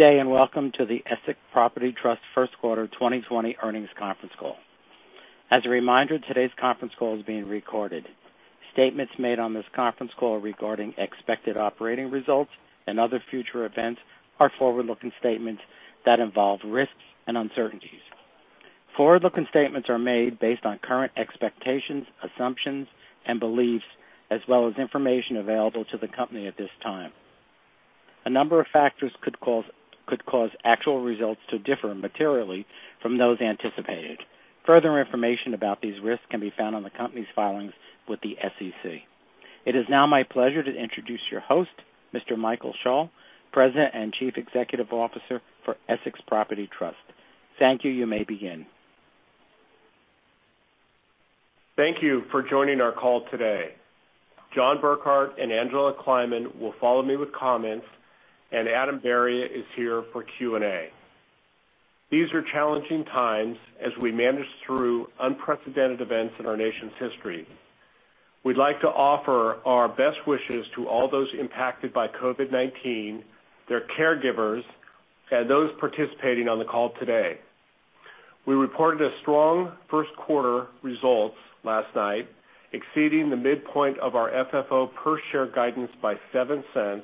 Good day, welcome to the Essex Property Trust first quarter 2020 earnings conference call. As a reminder, today's conference call is being recorded. Statements made on this conference call regarding expected operating results and other future events are forward-looking statements that involve risks and uncertainties. Forward-looking statements are made based on current expectations, assumptions, and beliefs, as well as information available to the company at this time. A number of factors could cause actual results to differ materially from those anticipated. Further information about these risks can be found on the company's filings with the SEC. It is now my pleasure to introduce your host, Mr. Michael Schall, President and Chief Executive Officer for Essex Property Trust. Thank you. You may begin. Thank you for joining our call today. John Burkart and Angela Kleiman will follow me with comments, and Adam Berry is here for Q&A. These are challenging times as we manage through unprecedented events in our nation's history. We'd like to offer our best wishes to all those impacted by COVID-19, their caregivers, and those participating on the call today. We reported a strong first quarter results last night, exceeding the midpoint of our FFO per share guidance by $0.07,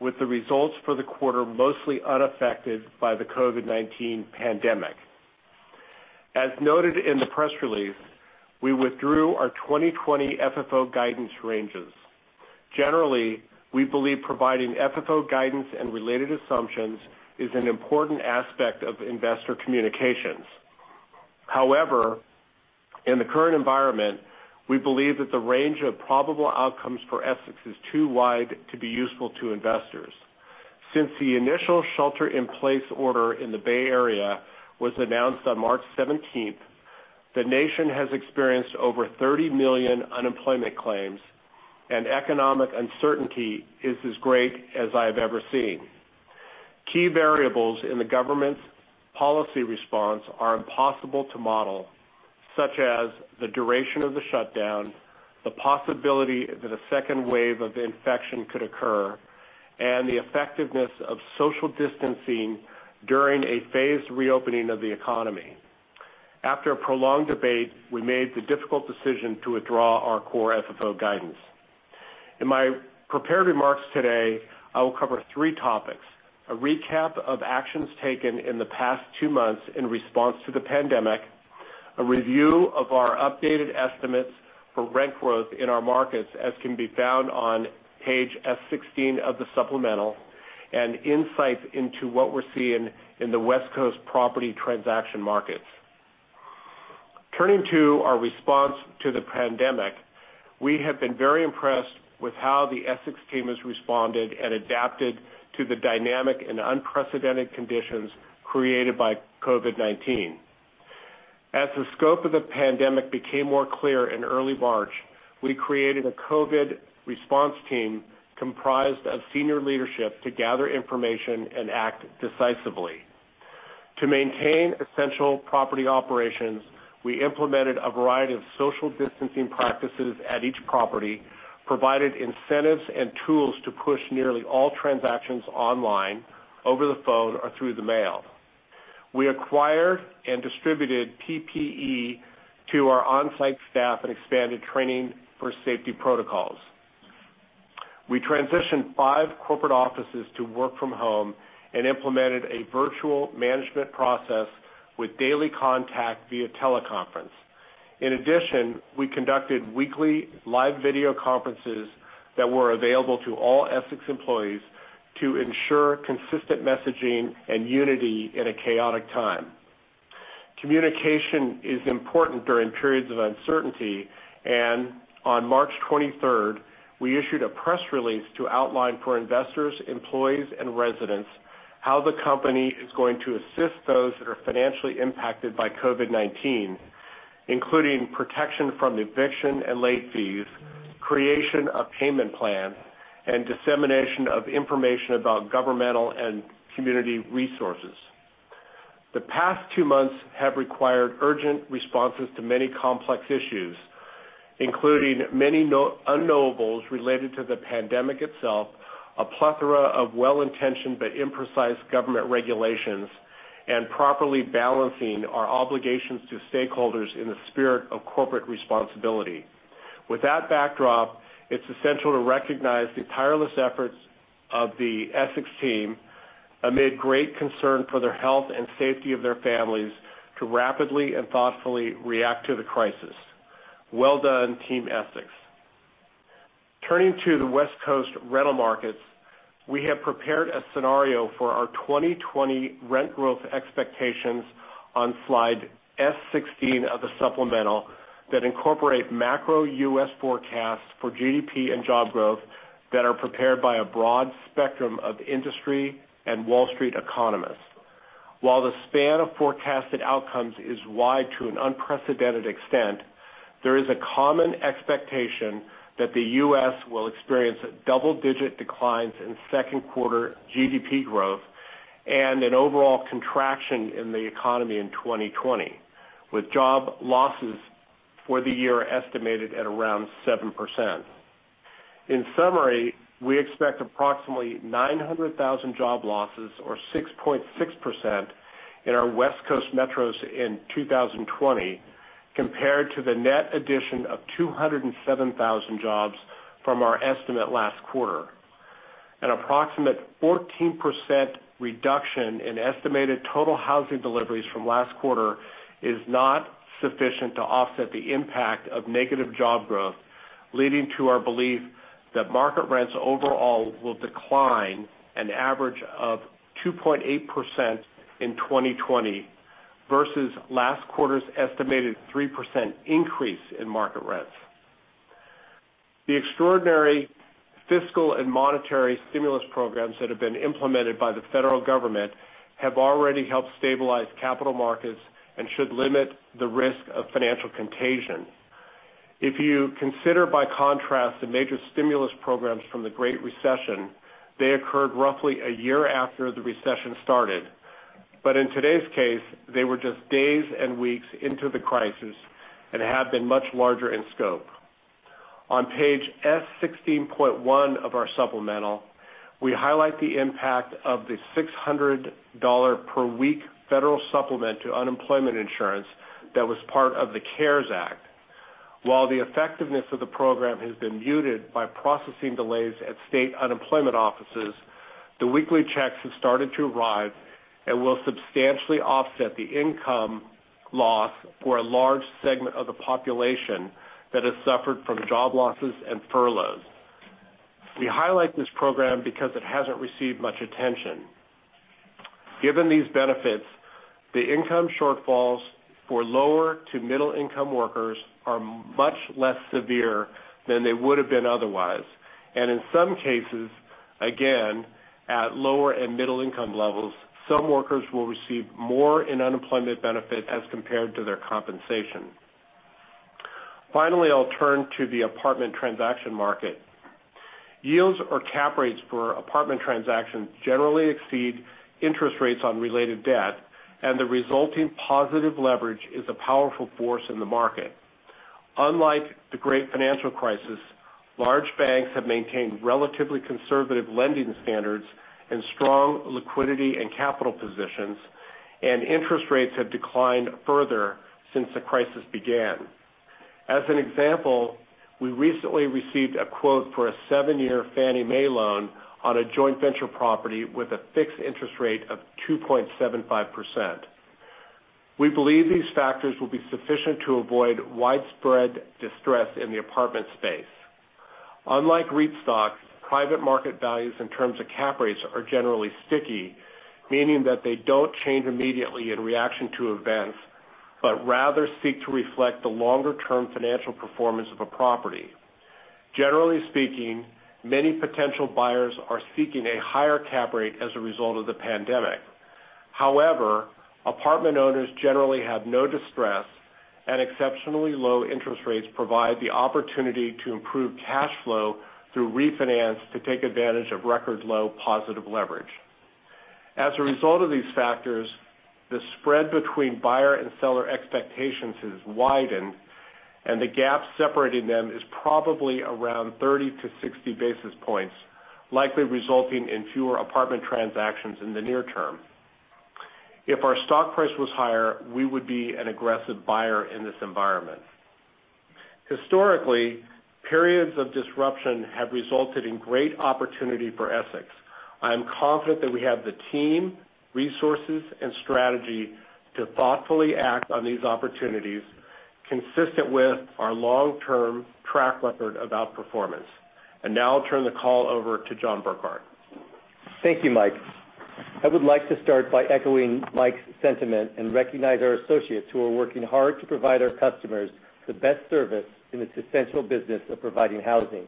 with the results for the quarter mostly unaffected by the COVID-19 pandemic. As noted in the press release, we withdrew our 2020 FFO guidance ranges. Generally, we believe providing FFO guidance and related assumptions is an important aspect of investor communications. However, in the current environment, we believe that the range of probable outcomes for Essex is too wide to be useful to investors. Since the initial shelter-in-place order in the Bay Area was announced on March 17th, the nation has experienced over 30 million unemployment claims. Economic uncertainty is as great as I've ever seen. Key variables in the government's policy response are impossible to model, such as the duration of the shutdown, the possibility that a second wave of infection could occur, and the effectiveness of social distancing during a phased reopening of the economy. After a prolonged debate, we made the difficult decision to withdraw our core FFO guidance. In my prepared remarks today, I will cover three topics: a recap of actions taken in the past two months in response to the pandemic, a review of our updated estimates for rent growth in our markets as can be found on page S16 of the supplemental, and insights into what we're seeing in the West Coast property transaction markets. Turning to our response to the pandemic, we have been very impressed with how the Essex team has responded and adapted to the dynamic and unprecedented conditions created by COVID-19. As the scope of the pandemic became more clear in early March, we created a COVID response team comprised of senior leadership to gather information and act decisively. To maintain essential property operations, we implemented a variety of social distancing practices at each property, provided incentives and tools to push nearly all transactions online, over the phone, or through the mail. We acquired and distributed PPE to our on-site staff and expanded training for safety protocols. We transitioned five corporate offices to work from home and implemented a virtual management process with daily contact via teleconference. In addition, we conducted weekly live video conferences that were available to all Essex employees to ensure consistent messaging and unity in a chaotic time. Communication is important during periods of uncertainty, and on March 23rd, we issued a press release to outline for investors, employees, and residents how the company is going to assist those that are financially impacted by COVID-19, including protection from eviction and late fees, creation of payment plans, and dissemination of information about governmental and community resources. The past two months have required urgent responses to many complex issues, including many unknowables related to the pandemic itself, a plethora of well-intentioned but imprecise government regulations, and properly balancing our obligations to stakeholders in the spirit of corporate responsibility. With that backdrop, it's essential to recognize the tireless efforts of the Essex team amid great concern for their health and safety of their families to rapidly and thoughtfully react to the crisis. Well done, Team Essex. Turning to the West Coast rental markets, we have prepared a scenario for our 2020 rent growth expectations on slide S16 of the supplemental that incorporate macro U.S. forecasts for GDP and job growth that are prepared by a broad spectrum of industry and Wall Street economists. While the span of forecasted outcomes is wide to an unprecedented extent, there is a common expectation that the U.S. will experience double-digit declines in second quarter GDP growth and an overall contraction in the economy in 2020, with job losses for the year estimated at around 7%. In summary, we expect approximately 900,000 job losses or 6.6% in our West Coast metros in 2020 compared to the net addition of 207,000 jobs from our estimate last quarter. An approximate 14% reduction in estimated total housing deliveries from last quarter is not sufficient to offset the impact of negative job growth, leading to our belief that market rents overall will decline an average of 2.8% in 2020 versus last quarter's estimated 3% increase in market rents. The extraordinary fiscal and monetary stimulus programs that have been implemented by the federal government have already helped stabilize capital markets and should limit the risk of financial contagion. If you consider by contrast the major stimulus programs from the Great Recession, they occurred roughly a year after the recession started. In today's case, they were just days and weeks into the crisis and have been much larger in scope. On page S16.1 of our supplemental, we highlight the impact of the $600 per week federal supplement to unemployment insurance that was part of the CARES Act. While the effectiveness of the program has been muted by processing delays at state unemployment offices, the weekly checks have started to arrive and will substantially offset the income loss for a large segment of the population that has suffered from job losses and furloughs. We highlight this program because it hasn't received much attention. Given these benefits, the income shortfalls for lower to middle income workers are much less severe than they would have been otherwise, and in some cases, again, at lower and middle income levels, some workers will receive more in unemployment benefits as compared to their compensation. Finally, I'll turn to the apartment transaction market. Yields or cap rates for apartment transactions generally exceed interest rates on related debt, and the resulting positive leverage is a powerful force in the market. Unlike the great financial crisis, large banks have maintained relatively conservative lending standards and strong liquidity and capital positions, and interest rates have declined further since the crisis began. As an example, we recently received a quote for a seven-year Fannie Mae loan on a joint venture property with a fixed interest rate of 2.75%. We believe these factors will be sufficient to avoid widespread distress in the apartment space. Unlike REIT stocks, private market values in terms of cap rates are generally sticky, meaning that they don't change immediately in reaction to events, but rather seek to reflect the longer-term financial performance of a property. Generally speaking, many potential buyers are seeking a higher cap rate as a result of the pandemic. However, apartment owners generally have no distress, and exceptionally low interest rates provide the opportunity to improve cash flow through refinance to take advantage of record low positive leverage. As a result of these factors, the spread between buyer and seller expectations has widened, and the gap separating them is probably around 30-60 basis points, likely resulting in fewer apartment transactions in the near term. If our stock price was higher, we would be an aggressive buyer in this environment. Historically, periods of disruption have resulted in great opportunity for Essex. I am confident that we have the team, resources, and strategy to thoughtfully act on these opportunities consistent with our long-term track record of outperformance. Now I'll turn the call over to John Burkart. Thank you, Mike. I would like to start by echoing Mike's sentiment and recognize our associates who are working hard to provide our customers the best service in this essential business of providing housing.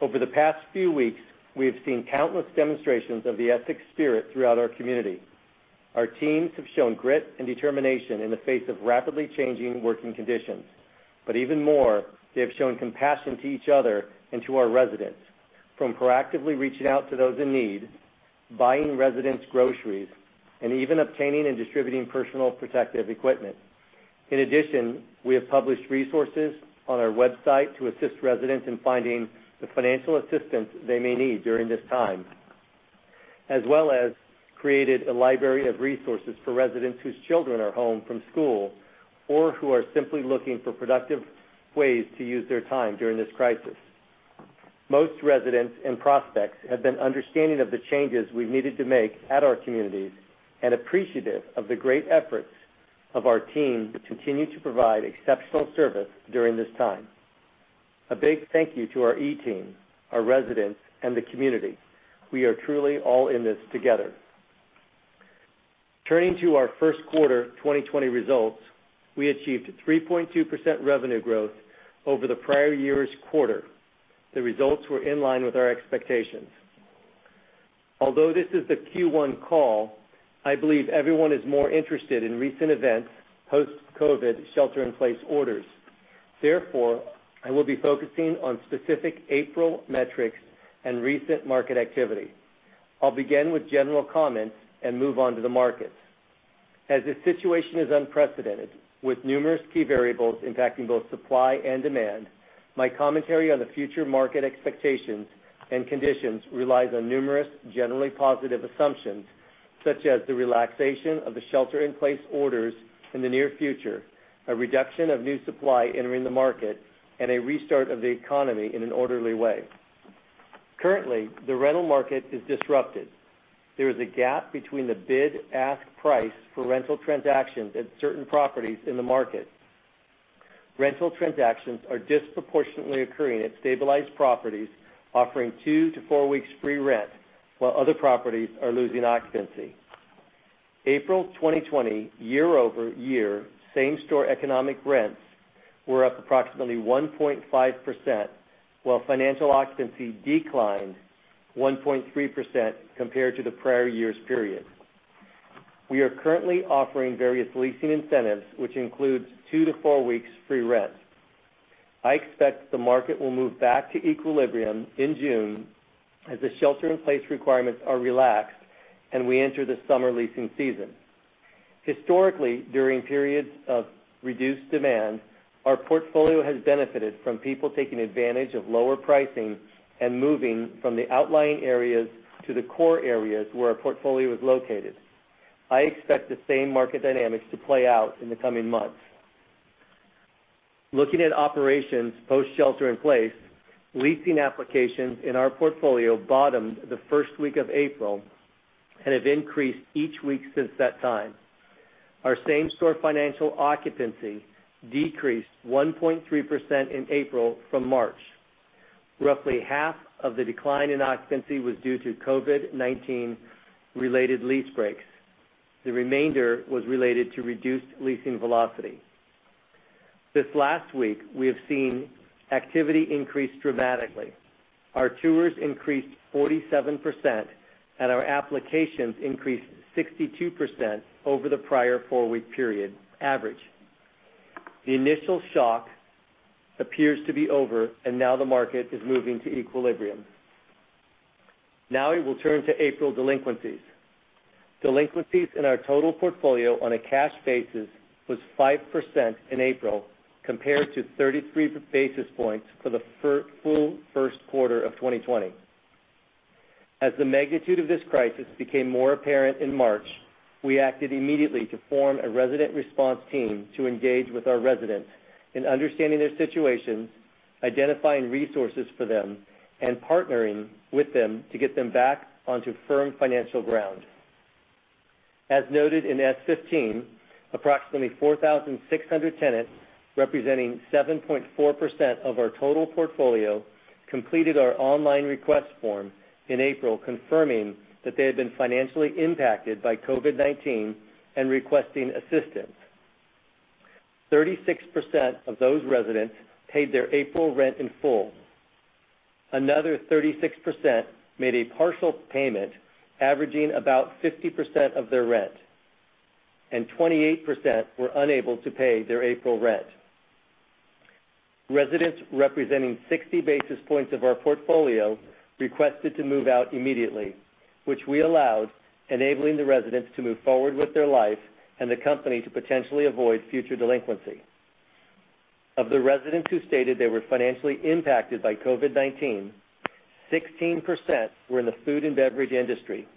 Over the past few weeks, we have seen countless demonstrations of the Essex spirit throughout our community. Our teams have shown grit and determination in the face of rapidly changing working conditions. Even more, they have shown compassion to each other and to our residents, from proactively reaching out to those in need, buying residents groceries, and even obtaining and distributing personal protective equipment. In addition, we have published resources on our website to assist residents in finding the financial assistance they may need during this time, as well as created a library of resources for residents whose children are home from school or who are simply looking for productive ways to use their time during this crisis. Most residents and prospects have been understanding of the changes we've needed to make at our communities and appreciative of the great efforts of our team to continue to provide exceptional service during this time. A big thank you to our E team, our residents, and the community. We are truly all in this together. Turning to our first quarter 2020 results, we achieved 3.2% revenue growth over the prior year's quarter. The results were in line with our expectations. Although this is the Q1 call, I believe everyone is more interested in recent events post-COVID shelter-in-place orders. I will be focusing on specific April metrics and recent market activity. I'll begin with general comments and move on to the markets. This situation is unprecedented, with numerous key variables impacting both supply and demand, my commentary on the future market expectations and conditions relies on numerous, generally positive assumptions, such as the relaxation of the shelter-in-place orders in the near future, a reduction of new supply entering the market, and a restart of the economy in an orderly way. Currently, the rental market is disrupted. There is a gap between the bid-ask price for rental transactions at certain properties in the market. Rental transactions are disproportionately occurring at stabilized properties, offering two to four weeks free rent, while other properties are losing occupancy. April 2020 year-over-year same-store economic rents were up approximately 1.5%, while financial occupancy declined 1.3% compared to the prior year's period. We are currently offering various leasing incentives, which includes two to four weeks free rent. I expect the market will move back to equilibrium in June as the shelter-in-place requirements are relaxed, and we enter the summer leasing season. Historically, during periods of reduced demand, our portfolio has benefited from people taking advantage of lower pricing and moving from the outlying areas to the core areas where our portfolio is located. I expect the same market dynamics to play out in the coming months. Looking at operations post-shelter-in-place, leasing applications in our portfolio bottomed the first week of April and have increased each week since that time. Our same-store financial occupancy decreased 1.3% in April from March. Roughly half of the decline in occupancy was due to COVID-19 related lease breaks. The remainder was related to reduced leasing velocity. This last week, we have seen activity increase dramatically. Our tours increased 47%, and our applications increased 62% over the prior four-week period average. The initial shock appears to be over, and now the market is moving to equilibrium. Now we will turn to April delinquencies. Delinquencies in our total portfolio on a cash basis was 5% in April compared to 33 basis points for the full first quarter of 2020. As the magnitude of this crisis became more apparent in March, we acted immediately to form a resident response team to engage with our residents in understanding their situations, identifying resources for them, and partnering with them to get them back onto firm financial ground. As noted in S15, approximately 4,600 tenants, representing 7.4% of our total portfolio, completed our online request form in April confirming that they had been financially impacted by COVID-19 and requesting assistance. 36% of those residents paid their April rent in full. Another 36% made a partial payment, averaging about 50% of their rent, and 28% were unable to pay their April rent. Residents representing 60 basis points of our portfolio requested to move out immediately, which we allowed, enabling the residents to move forward with their life and the company to potentially avoid future delinquency. Of the residents who stated they were financially impacted by COVID-19, 16% were in the food and beverage industry,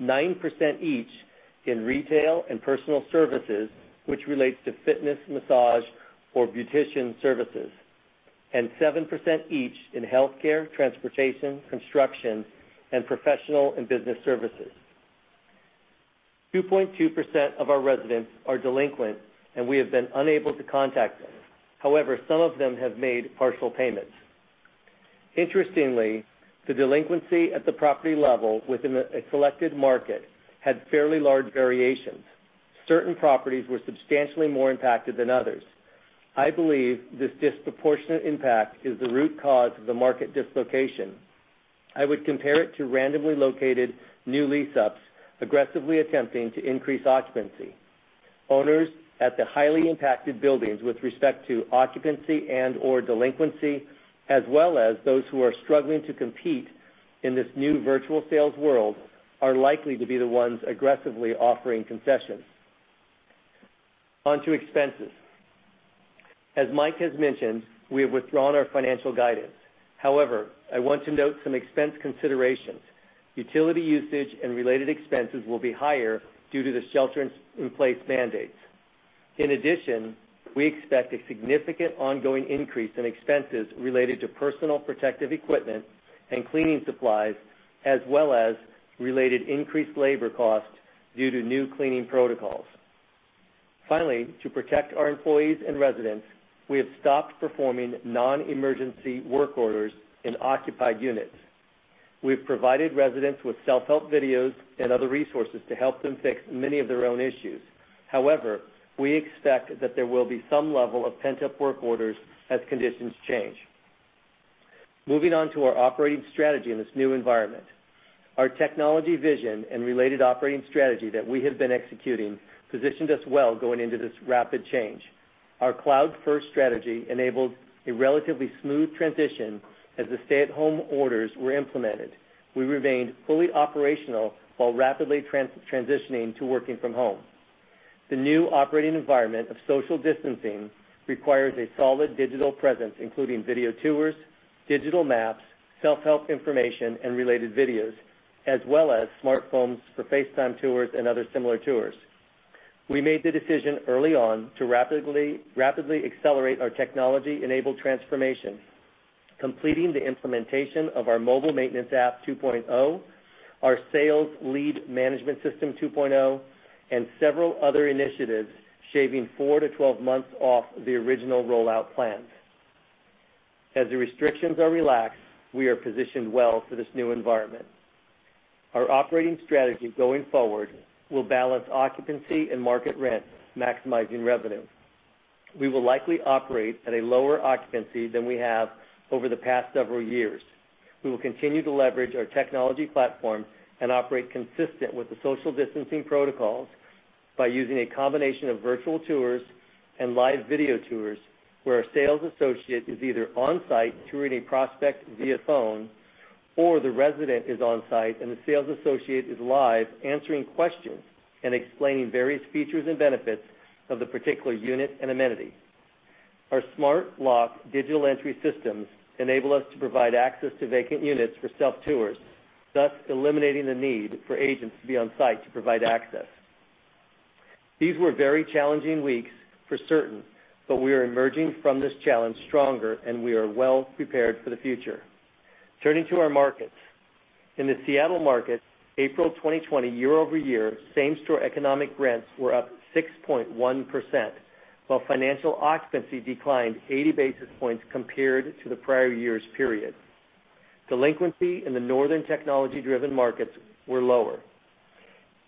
9% each in retail and personal services, which relates to fitness, massage, or beautician services, and 7% each in healthcare, transportation, construction, and professional and business services. 2.2% of our residents are delinquent, and we have been unable to contact them. However, some of them have made partial payments. Interestingly, the delinquency at the property level within a selected market had fairly large variations. Certain properties were substantially more impacted than others. I believe this disproportionate impact is the root cause of the market dislocation. I would compare it to randomly located new lease-ups aggressively attempting to increase occupancy. Owners at the highly impacted buildings with respect to occupancy and/or delinquency, as well as those who are struggling to compete in this new virtual sales world, are likely to be the ones aggressively offering concessions. On to expenses. As Mike has mentioned, we have withdrawn our financial guidance. However, I want to note some expense considerations. Utility usage and related expenses will be higher due to the shelter-in-place mandates. In addition, we expect a significant ongoing increase in expenses related to personal protective equipment and cleaning supplies, as well as related increased labor costs due to new cleaning protocols. Finally, to protect our employees and residents, we have stopped performing non-emergency work orders in occupied units. We've provided residents with self-help videos and other resources to help them fix many of their own issues. However, we expect that there will be some level of pent-up work orders as conditions change. Moving on to our operating strategy in this new environment. Our technology vision and related operating strategy that we have been executing positioned us well going into this rapid change. Our cloud-first strategy enabled a relatively smooth transition as the stay-at-home orders were implemented. We remained fully operational while rapidly transitioning to working from home. The new operating environment of social distancing requires a solid digital presence, including video tours, digital maps, self-help information, and related videos, as well as smartphones for FaceTime tours and other similar tours. We made the decision early on to rapidly accelerate our technology-enabled transformation, completing the implementation of our mobile maintenance app 2.0, our sales lead management system 2.0, and several other initiatives, shaving 4-12 months off the original rollout plans. As the restrictions are relaxed, we are positioned well for this new environment. Our operating strategy going forward will balance occupancy and market rent, maximizing revenue. We will likely operate at a lower occupancy than we have over the past several years. We will continue to leverage our technology platform and operate consistent with the social distancing protocols by using a combination of virtual tours and live video tours, where our sales associate is either on-site touring a prospect via phone, or the resident is on-site and the sales associate is live answering questions and explaining various features and benefits of the particular unit and amenity. Our smart lock digital entry systems enable us to provide access to vacant units for self-tours, thus eliminating the need for agents to be on-site to provide access. These were very challenging weeks for certain, but we are emerging from this challenge stronger, and we are well prepared for the future. Turning to our markets. In the Seattle market, April 2020 year-over-year same-store economic rents were up 6.1%, while financial occupancy declined 80 basis points compared to the prior year's period. Delinquency in the northern technology-driven markets were lower.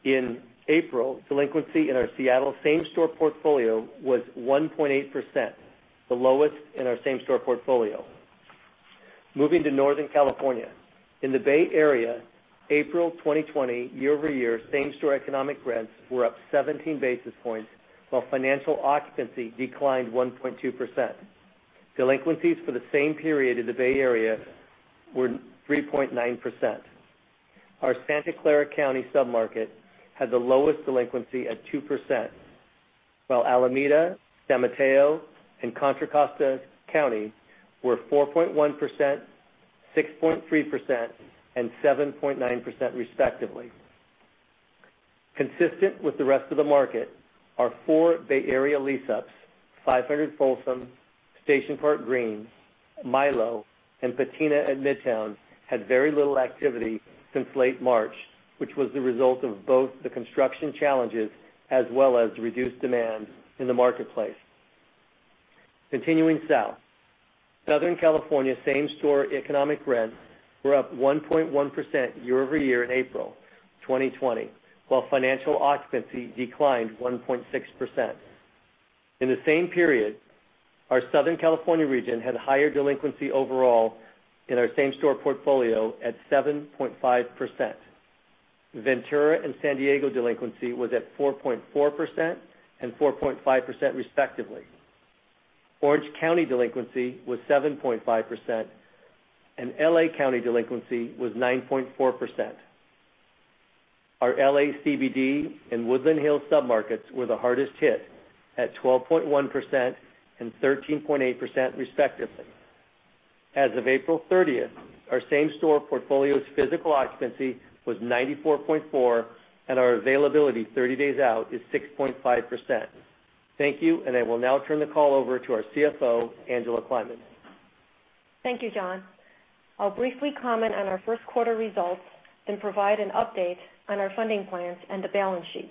In April, delinquency in our Seattle same-store portfolio was 1.8%, the lowest in our same-store portfolio. Moving to Northern California. In the Bay Area, April 2020 year-over-year same-store economic rents were up 17 basis points, while financial occupancy declined 1.2%. Delinquencies for the same period in the Bay Area were 3.9%. Our Santa Clara County sub-market had the lowest delinquency at 2%, while Alameda, San Mateo, and Contra Costa County were 4.1%, 6.3%, and 7.9% respectively. Consistent with the rest of the market, our four Bay Area lease-ups, 500 Folsom, Station Park Green, Mylo, and Patina at Midtown, had very little activity since late March, which was the result of both the construction challenges as well as reduced demand in the marketplace. Continuing south. Southern California same-store economic rents were up 1.1% year-over-year in April 2020, while financial occupancy declined 1.6%. In the same period, our Southern California region had higher delinquency overall in our same-store portfolio at 7.5%. Ventura and San Diego delinquency was at 4.4% and 4.5% respectively. Orange County delinquency was 7.5%, and L.A. County delinquency was 9.4%. Our L.A. CBD and Woodland Hills sub-markets were the hardest hit at 12.1% and 13.8% respectively. As of April 30th, our same-store portfolio's physical occupancy was 94.4%, and our availability 30 days out is 6.5%. Thank you, and I will now turn the call over to our CFO, Angela Kleiman. Thank you, John. I'll briefly comment on our first quarter results and provide an update on our funding plans and the balance sheet.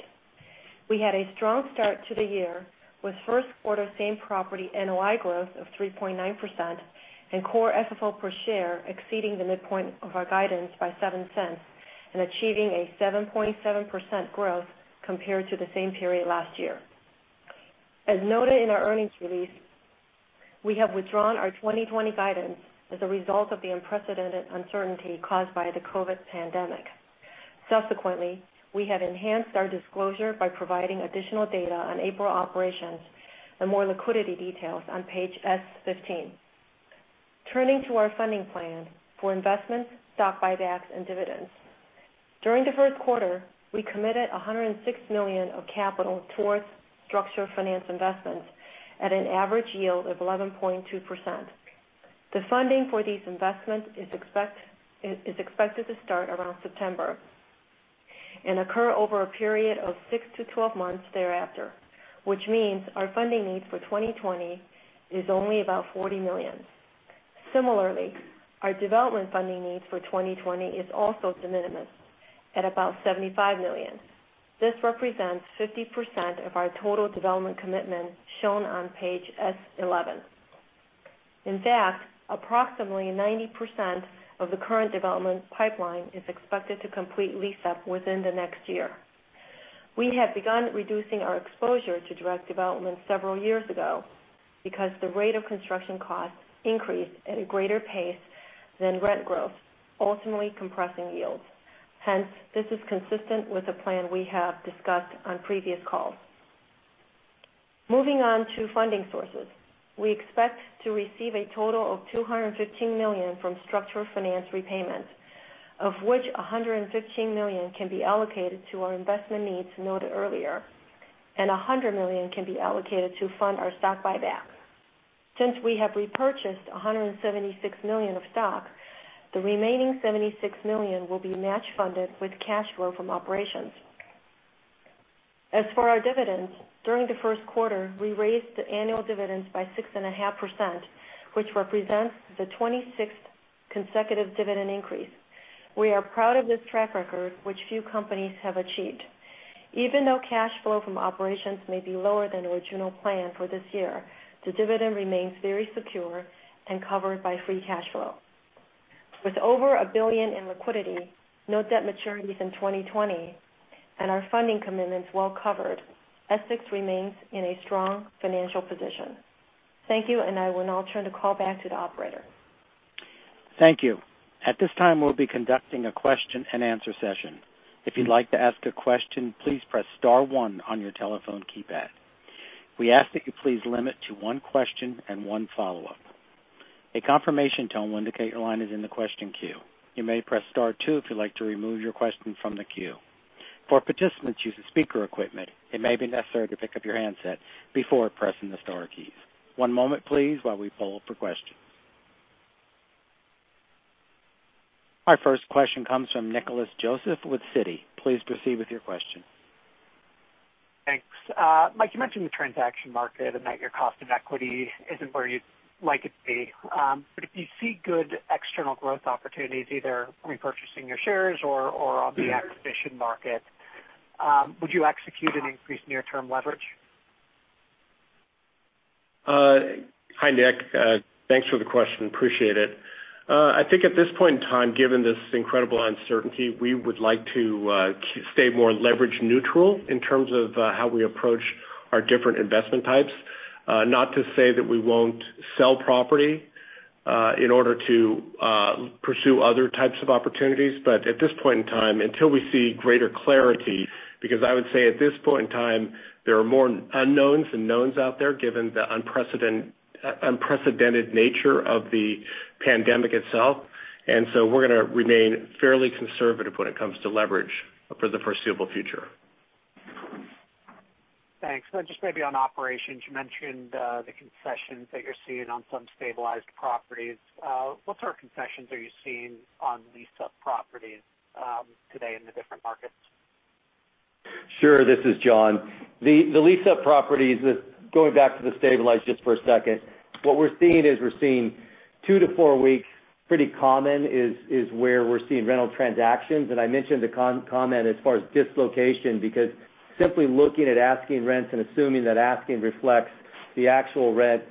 We had a strong start to the year with first-quarter same-property NOI growth of 3.9% and core FFO per share exceeding the midpoint of our guidance by $0.07 and achieving a 7.7% growth compared to the same period last year. As noted in our earnings release, we have withdrawn our 2020 guidance as a result of the unprecedented uncertainty caused by the COVID-19 pandemic. Subsequently, we have enhanced our disclosure by providing additional data on April operations and more liquidity details on page S15. Turning to our funding plan for investments, stock buybacks, and dividends. During the first quarter, we committed $106 million of capital towards structured finance investments at an average yield of 11.2%. The funding for these investments is expected to start around September and occur over a period of six to 12 months thereafter, which means our funding needs for 2020 is only about $40 million. Similarly, our development funding needs for 2020 is also de minimis at about $75 million. This represents 50% of our total development commitment shown on page S11. Approximately 90% of the current development pipeline is expected to complete lease-up within the next year. We have begun reducing our exposure to direct development several years ago because the rate of construction costs increased at a greater pace than rent growth, ultimately compressing yields. This is consistent with the plan we have discussed on previous calls. Moving on to funding sources. We expect to receive a total of $215 million from structured finance repayments, of which $115 million can be allocated to our investment needs noted earlier, and $100 million can be allocated to fund our stock buyback. Since we have repurchased $176 million of stock, the remaining $76 million will be match funded with cash flow from operations. As for our dividends, during the first quarter, we raised the annual dividends by 6.5%, which represents the 26th consecutive dividend increase. We are proud of this track record, which few companies have achieved. Even though cash flow from operations may be lower than original plan for this year, the dividend remains very secure and covered by free cash flow. With over $1 billion in liquidity, no debt maturities in 2020, and our funding commitments well covered, Essex remains in a strong financial position. Thank you. I will now turn the call back to the operator. Thank you. At this time, we'll be conducting a question and answer session. If you'd like to ask a question, please press star one on your telephone keypad. We ask that you please limit to one question and one follow-up. A confirmation tone will indicate your line is in the question queue. You may press star two if you'd like to remove your question from the queue. For participants using speaker equipment, it may be necessary to pick up your handset before pressing the star keys. One moment, please, while we poll for questions. Our first question comes from Nicholas Joseph with Citi. Please proceed with your question. Thanks. Mike, you mentioned the transaction market and that your cost of equity isn't where you'd like it to be. If you see good external growth opportunities, either repurchasing your shares or on the acquisition market, would you execute an increased near-term leverage? Hi, Nick. Thanks for the question. Appreciate it. I think at this point in time, given this incredible uncertainty, we would like to stay more leverage neutral in terms of how we approach our different investment types. Not to say that we won't sell property in order to pursue other types of opportunities, but at this point in time, until we see greater clarity, because I would say, at this point in time, there are more unknowns than knowns out there, given the unprecedented nature of the pandemic itself. We're going to remain fairly conservative when it comes to leverage for the foreseeable future. Thanks. Just maybe on operations, you mentioned the concessions that you're seeing on some stabilized properties. What sort of concessions are you seeing on lease-up properties today in the different markets? Sure. This is John. The lease-up properties, going back to the stabilized just for a second, what we're seeing is we're seeing two to four weeks pretty common is where we're seeing rental transactions. I mentioned the comment as far as dislocation, because simply looking at asking rents and assuming that asking reflects the actual rent,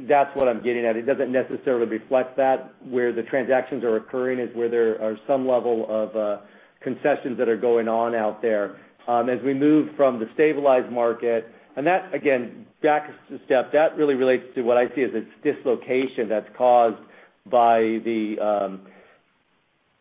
that's what I'm getting at. It doesn't necessarily reflect that. Where the transactions are occurring is where there are some level of concessions that are going on out there. As we move from the stabilized market, and that again, back a step, that really relates to what I see as it's dislocation that's caused by the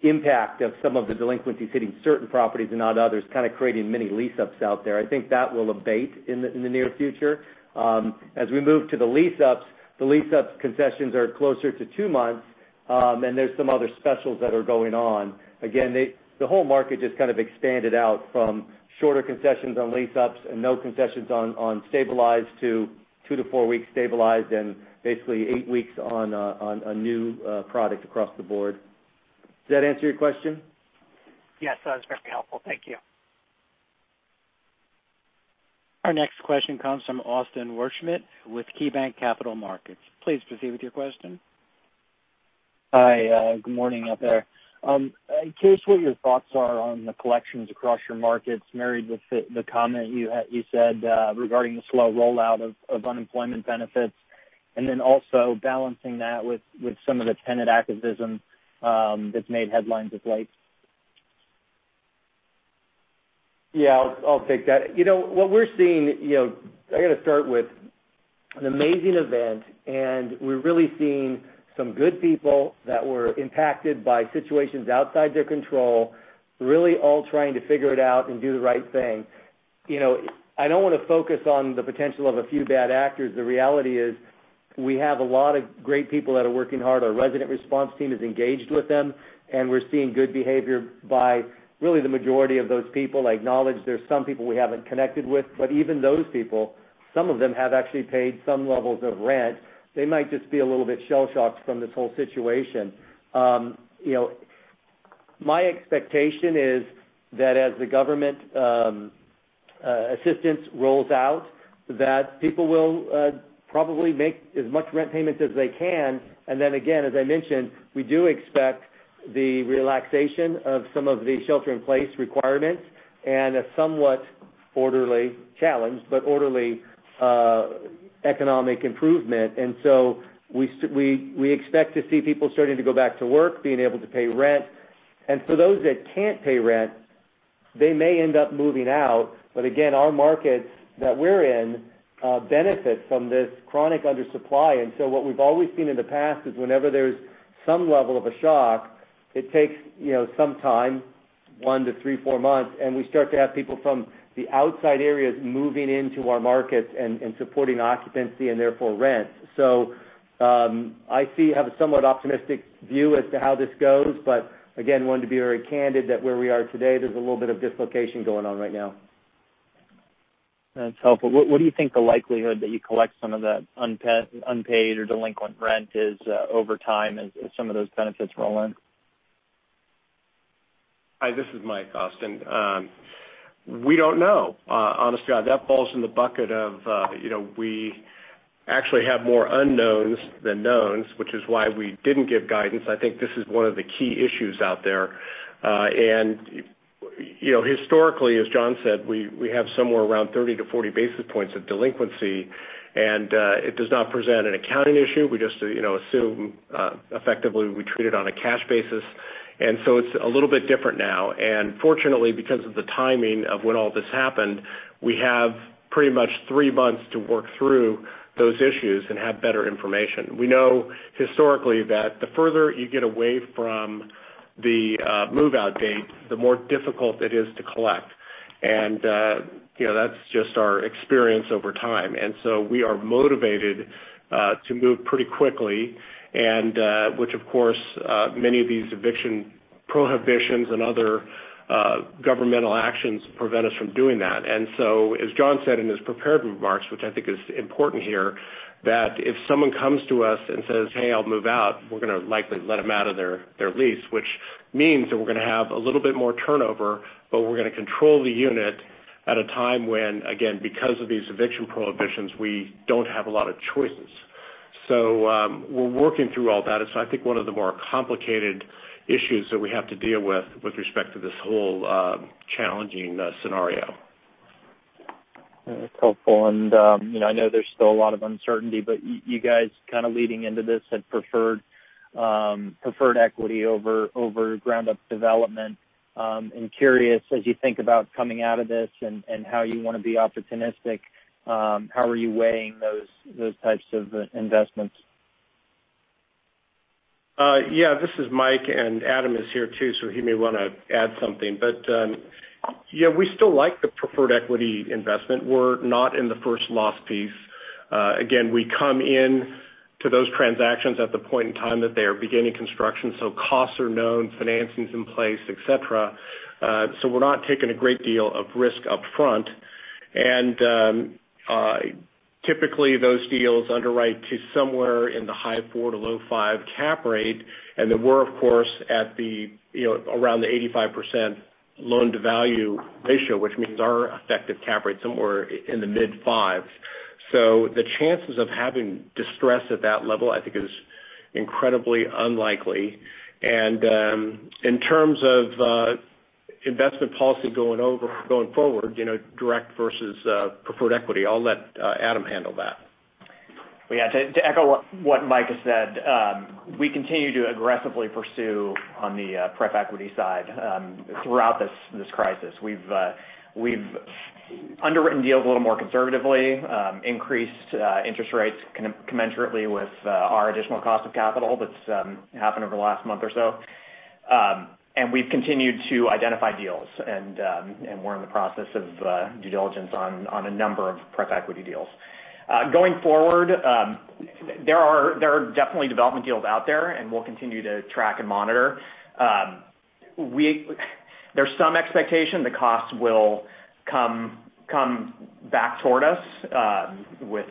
impact of some of the delinquencies hitting certain properties and not others, kind of creating mini lease-ups out there. I think that will abate in the near future. As we move to the lease-ups, the lease-up concessions are closer to two months. There's some other specials that are going on. Again, the whole market just kind of expanded out from shorter concessions on lease-ups and no concessions on stabilized to two to four weeks stabilized and basically eight weeks on a new product across the board. Does that answer your question? Yes, that was very helpful. Thank you. Our next question comes from Austin Wurschmidt with KeyBanc Capital Markets. Please proceed with your question. Hi. Good morning, out there. I'm curious what your thoughts are on the collections across your markets, married with the comment you said regarding the slow rollout of unemployment benefits, and then also balancing that with some of the tenant activism that's made headlines of late. Yeah, I'll take that. What we're seeing, I got to start with an amazing event, and we're really seeing some good people that were impacted by situations outside their control, really all trying to figure it out and do the right thing. I don't want to focus on the potential of a few bad actors. The reality is we have a lot of great people that are working hard. Our resident response team is engaged with them, and we're seeing good behavior by really the majority of those people. I acknowledge there's some people we haven't connected with, but even those people, some of them have actually paid some levels of rent. They might just be a little bit shell-shocked from this whole situation. My expectation is that as the government assistance rolls out, that people will probably make as much rent payments as they can. Then again, as I mentioned, we do expect the relaxation of some of the shelter-in-place requirements and a somewhat orderly challenge, but orderly economic improvement. We expect to see people starting to go back to work, being able to pay rent. For those that can't pay rent-They may end up moving out. Again, our markets that we're in benefit from this chronic undersupply. What we've always seen in the past is whenever there's some level of a shock, it takes some time, one to three, four months, and we start to have people from the outside areas moving into our markets and supporting occupancy and therefore rent. I have a somewhat optimistic view as to how this goes, but again, wanted to be very candid that where we are today, there's a little bit of dislocation going on right now. That's helpful. What do you think the likelihood that you collect some of that unpaid or delinquent rent is over time as some of those benefits roll in? Hi, this is Michael Schall. We don't know. Honestly, that falls in the bucket of, we actually have more unknowns than knowns, which is why we didn't give guidance. I think this is one of the key issues out there. Historically, as John said, we have somewhere around 30 to 40 basis points of delinquency, and it does not present an accounting issue. We just assume, effectively, we treat it on a cash basis. It's a little bit different now. Fortunately, because of the timing of when all this happened, we have pretty much three months to work through those issues and have better information. We know historically that the further you get away from the move-out date, the more difficult it is to collect. That's just our experience over time. We are motivated to move pretty quickly, which of course, many of these eviction prohibitions and other governmental actions prevent us from doing that. As John said in his prepared remarks, which I think is important here, that if someone comes to us and says, "Hey, I'll move out," we're going to likely let them out of their lease, which means that we're going to have a little bit more turnover, but we're going to control the unit at a time when, again, because of these eviction prohibitions, we don't have a lot of choices. We're working through all that. It's, I think, one of the more complicated issues that we have to deal with respect to this whole challenging scenario. That's helpful. I know there's still a lot of uncertainty. You guys kind of leading into this had preferred equity over ground-up development. I'm curious, as you think about coming out of this and how you want to be opportunistic, how are you weighing those types of investments? Yeah. This is Mike, and Adam is here too, so he may want to add something. Yeah, we still like the preferred equity investment. We're not in the first loss piece. Again, we come in to those transactions at the point in time that they are beginning construction, so costs are known, financing's in place, et cetera. We're not taking a great deal of risk upfront. Typically, those deals underwrite to somewhere in the high four to low five cap rate. Then we're, of course, at around the 85% loan-to-value ratio, which means our effective cap rate's somewhere in the mid-fives. The chances of having distress at that level, I think, is incredibly unlikely. In terms of investment policy going forward, direct versus preferred equity, I'll let Adam handle that. To echo what Mike has said, we continue to aggressively pursue on the pref equity side throughout this crisis. We've underwritten deals a little more conservatively, increased interest rates commensurately with our additional cost of capital that's happened over the last month or so. We've continued to identify deals, and we're in the process of due diligence on a number of pref equity deals. Going forward, there are definitely development deals out there, and we'll continue to track and monitor. There's some expectation the cost will come back toward us with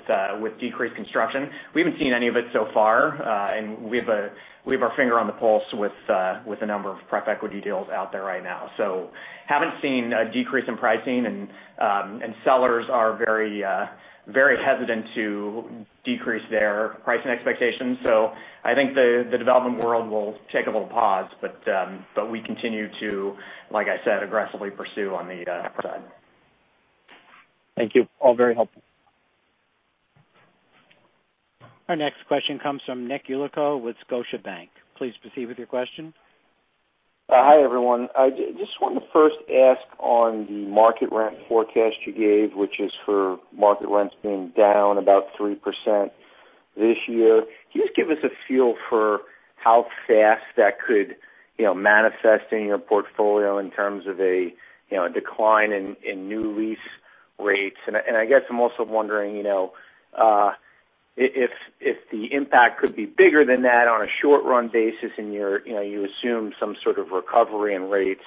decreased construction. We haven't seen any of it so far. We have our finger on the pulse with a number of pref equity deals out there right now. Haven't seen a decrease in pricing, and sellers are very hesitant to decrease their pricing expectations. I think the development world will take a little pause, but we continue to, like I said, aggressively pursue on the side. Thank you. All very helpful. Our next question comes from Nick Yulico with Scotiabank. Please proceed with your question. Hi, everyone. I just wanted to first ask on the market rent forecast you gave, which is for market rents being down about 3% this year. Can you just give us a feel for how fast that could manifest in your portfolio in terms of a decline in new lease rates? I guess I'm also wondering if the impact could be bigger than that on a short-run basis. You assume some sort of recovery in rates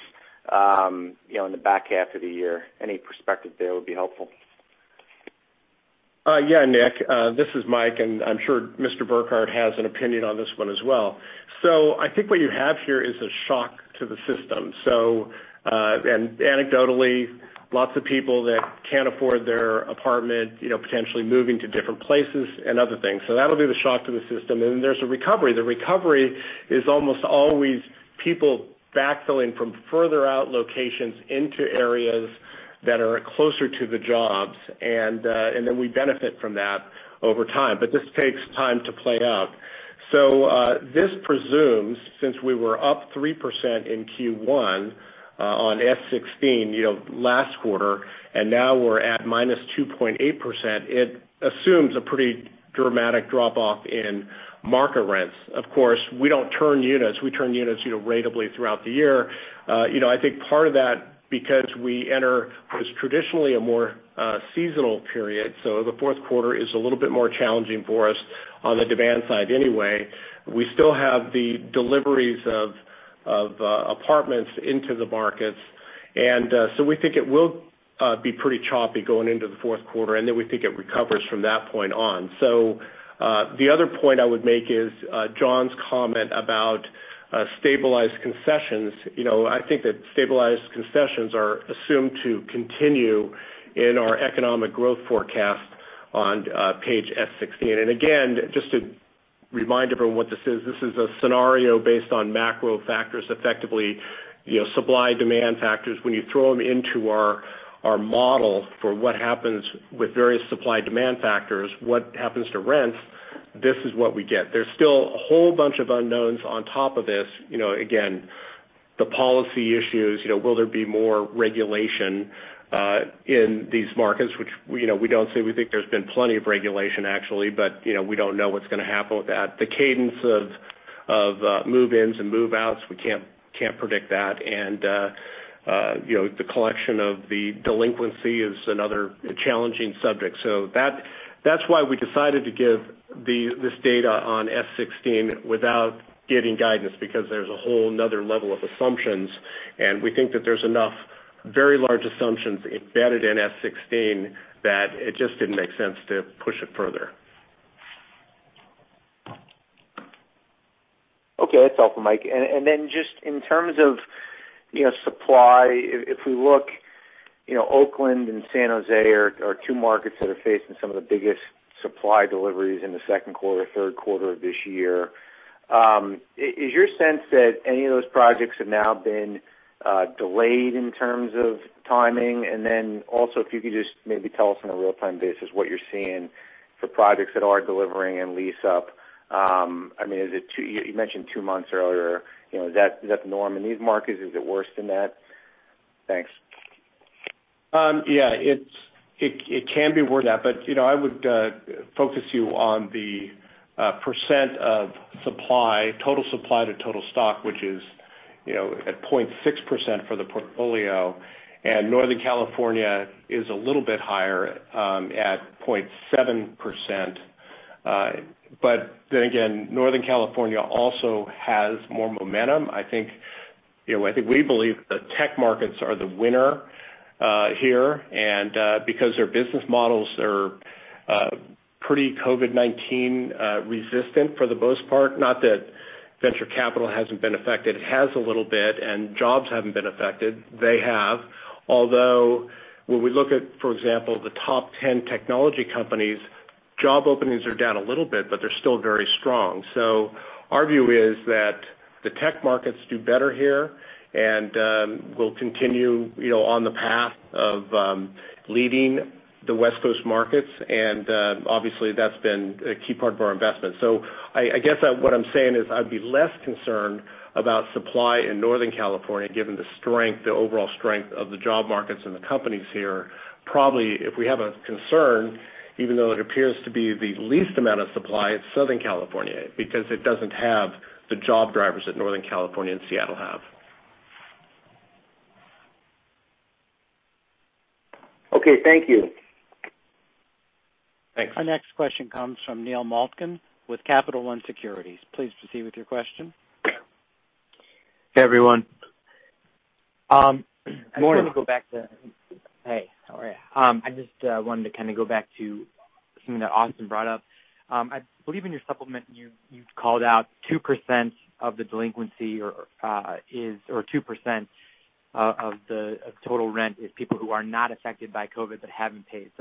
in the back half of the year. Any perspective there would be helpful. Yeah, Nick. This is Mike, and I'm sure Mr. Burkart has an opinion on this one as well. I think what you have here is a shock to the system. Anecdotally, lots of people that can't afford their apartment, potentially moving to different places and other things. That'll be the shock to the system. There's a recovery. The recovery is almost always people backfilling from further out locations into areas that are closer to the jobs. We benefit from that over time. This takes time to play out. This presumes since we were up 3% in Q1 on S16 last quarter, and now we're at -2.8%, it assumes a pretty dramatic drop-off in market rents. Of course, we don't turn units. We turn units ratably throughout the year. I think part of that, because we enter what is traditionally a more seasonal period, so the fourth quarter is a little bit more challenging for us on the demand side anyway. We still have the deliveries of apartments into the markets. We think it will be pretty choppy going into the fourth quarter, and then we think it recovers from that point on. The other point I would make is John's comment about stabilized concessions. I think that stabilized concessions are assumed to continue in our economic growth forecast on page S16. Again, just to remind everyone what this is. This is a scenario based on macro factors, effectively supply-demand factors. When you throw them into our model for what happens with various supply-demand factors, what happens to rents, this is what we get. There's still a whole bunch of unknowns on top of this. Again, the policy issues, will there be more regulation in these markets? Which we don't see. We think there's been plenty of regulation, actually, but we don't know what's going to happen with that. The cadence of move-ins and move-outs, we can't predict that. The collection of the delinquency is another challenging subject. That's why we decided to give this data on S16 without giving guidance, because there's a whole another level of assumptions, and we think that there's enough very large assumptions embedded in S16 that it just didn't make sense to push it further. Okay. That's all for Mike. Just in terms of supply, if we look, Oakland and San Jose are two markets that are facing some of the biggest supply deliveries in the second quarter, third quarter of this year. Is your sense that any of those projects have now been delayed in terms of timing? Also, if you could just maybe tell us on a real-time basis what you're seeing for projects that are delivering and lease up. You mentioned two months earlier. Is that the norm in these markets? Is it worse than that? Thanks. Yeah. It can be worse than that, but I would focus you on the percent of supply, total supply to total stock, which is at 0.6% for the portfolio. Northern California is a little bit higher at 0.7%. Then again, Northern California also has more momentum. I think we believe that the tech markets are the winner here, and because their business models are pretty COVID-19 resistant for the most part. Not that venture capital hasn't been affected. It has a little bit, and jobs haven't been affected. They have. Although when we look at, for example, the top 10 technology companies, job openings are down a little bit, but they're still very strong. Our view is that the tech markets do better here and will continue on the path of leading the West Coast markets, and obviously, that's been a key part of our investment. I guess what I'm saying is I'd be less concerned about supply in Northern California, given the overall strength of the job markets and the companies here. Probably, if we have a concern, even though it appears to be the least amount of supply in Southern California because it doesn't have the job drivers that Northern California and Seattle have. Okay. Thank you. Thanks. Our next question comes from Neil Malkin with Capital One Securities. Please proceed with your question. Hey, everyone. Morning. Hey, how are you? I just wanted to kind of go back to something that Austin brought up. I believe in your supplement, you called out 2% of the delinquency or 2% of total rent is people who are not affected by COVID-19 that haven't paid.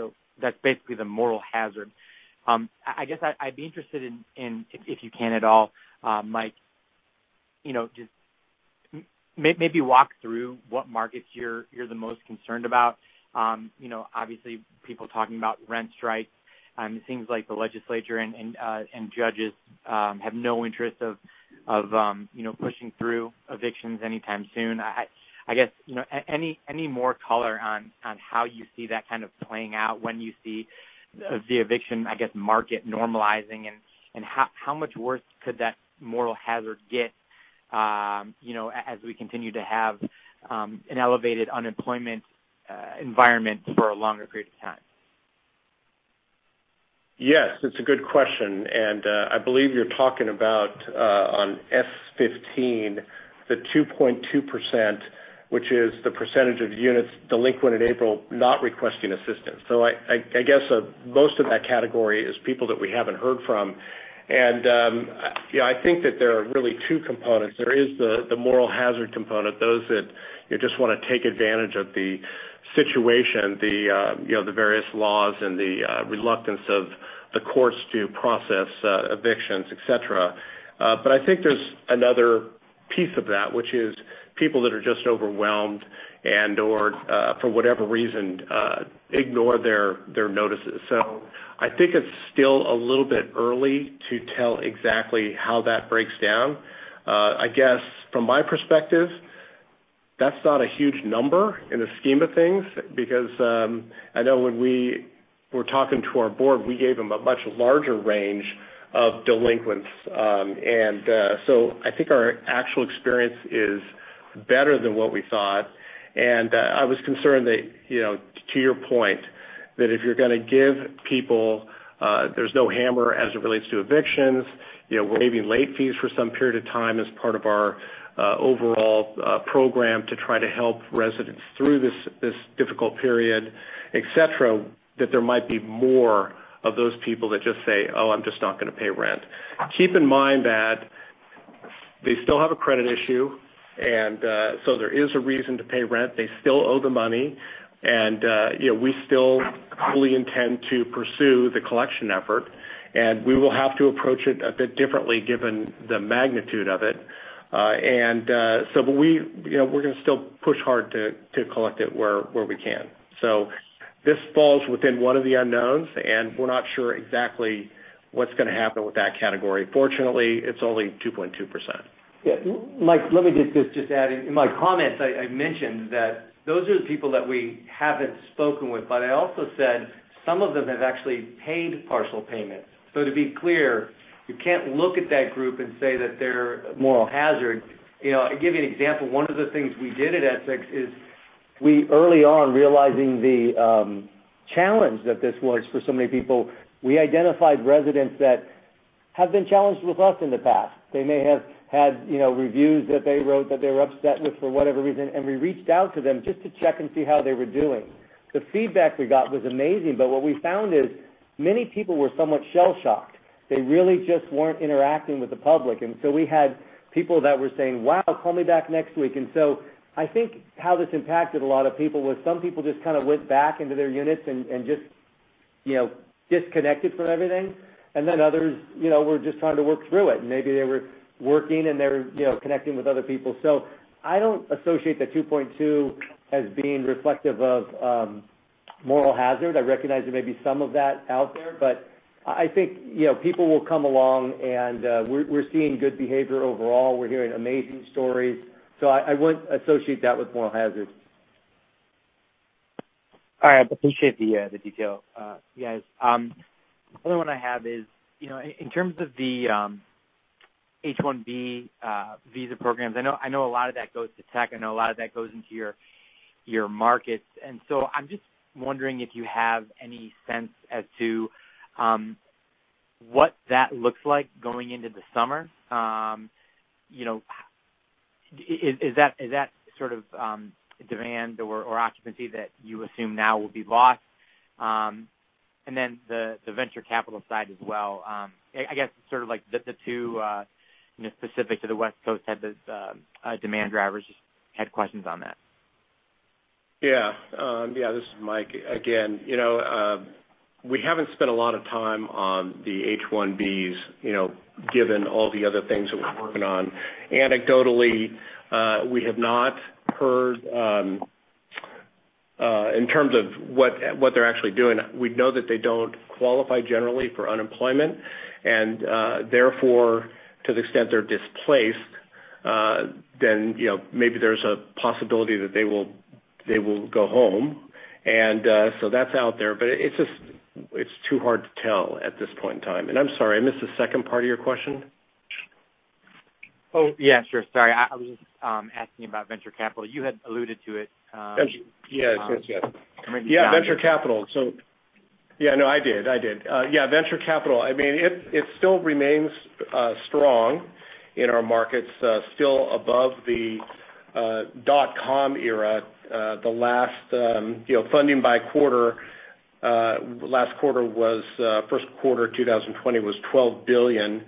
That's basically the moral hazard. I guess I'd be interested in, if you can at all, Mike, just maybe walk through what markets you're the most concerned about. Obviously, people talking about rent strikes. It seems like the legislature and judges have no interest of pushing through evictions anytime soon. I guess, any more color on how you see that kind of playing out, when you see the eviction, I guess, market normalizing, and how much worse could that moral hazard get as we continue to have an elevated unemployment environment for a longer period of time? Yes. It's a good question, and I believe you're talking about on S15, the 2.2%, which is the percentage of units delinquent in April not requesting assistance. I guess most of that category is people that we haven't heard from. I think that there are really two components. There is the moral hazard component, those that just want to take advantage of the situation, the various laws, and the reluctance of the courts to process evictions, et cetera. I think there's another piece of that, which is people that are just overwhelmed and/or for whatever reason, ignore their notices. I think it's still a little bit early to tell exactly how that breaks down. I guess from my perspective, that's not a huge number in the scheme of things, because I know when we were talking to our board, we gave them a much larger range of delinquents. I think our actual experience is better than what we thought, and I was concerned that, to your point, that if you're going to give people, there's no hammer as it relates to evictions. Waiving late fees for some period of time as part of our overall program to try to help residents through this difficult period, et cetera, that there might be more of those people that just say, "Oh, I'm just not going to pay rent." Keep in mind that they still have a credit issue, and so there is a reason to pay rent. They still owe the money, and we still fully intend to pursue the collection effort, and we will have to approach it a bit differently given the magnitude of it. We're going to still push hard to collect it where we can. This falls within one of the unknowns, and we're not sure exactly what's going to happen with that category. Fortunately, it's only 2.2%. Yeah. Mike, let me just add in. In my comments, I mentioned that those are the people that we haven't spoken with, but I also said some of them have actually paid partial payments. To be clear, you can't look at that group and say that they're moral hazard. I'll give you an example. One of the things we did at Essex is we, early on, realizing the challenge that this was for so many people, we identified residents that have been challenged with us in the past. They may have had reviews that they wrote that they were upset with for whatever reason, and we reached out to them just to check and see how they were doing. The feedback we got was amazing, but what we found is many people were somewhat shell-shocked. They really just weren't interacting with the public. We had people that were saying, "Wow, call me back next week." I think how this impacted a lot of people was some people just kind of went back into their units and just disconnected from everything. Others were just trying to work through it, and maybe they were working, and they were connecting with other people. I don't associate the 2.2 as being reflective of moral hazard. I recognize there may be some of that out there, but I think people will come along, and we're seeing good behavior overall. We're hearing amazing stories. I wouldn't associate that with moral hazard. All right. I appreciate the detail, guys. The only one I have is, in terms of the H-1B visa programs, I know a lot of that goes to tech. I know a lot of that goes into your markets. I'm just wondering if you have any sense as to what that looks like going into the summer. Is that sort of demand or occupancy that you assume now will be lost? The venture capital side as well. I guess sort of like the two specific to the West Coast had the demand drivers. Just had questions on that. Yeah. This is Mike again. We haven't spent a lot of time on the H-1Bs, given all the other things that we're working on. Anecdotally, we have not heard in terms of what they're actually doing. We know that they don't qualify generally for unemployment, and therefore, to the extent they're displaced, then maybe there's a possibility that they will go home. So that's out there. It's too hard to tell at this point in time. I'm sorry, I missed the second part of your question. Oh, yeah, sure. Sorry. I was just asking about venture capital. You had alluded to it. Yeah. Or maybe you got- Venture capital. I did. Venture capital. It still remains strong in our markets, still above the dot-com era. Funding by quarter, first quarter 2020 was $12 billion,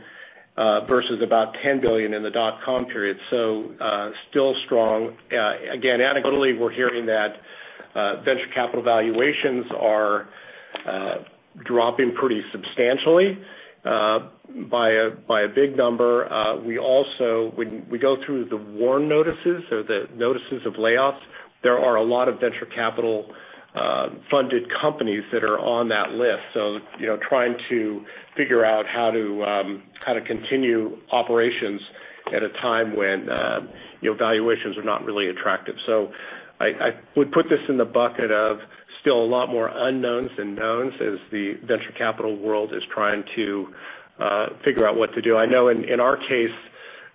versus about $10 billion in the dot-com period. Still strong. Again, anecdotally, we're hearing that venture capital valuations are dropping pretty substantially by a big number. When we go through the WARN notices or the notices of layoffs, there are a lot of venture capital-funded companies that are on that list, trying to figure out how to kind of continue operations at a time when valuations are not really attractive. I would put this in the bucket of still a lot more unknowns than knowns as the venture capital world is trying to figure out what to do. I know in our case,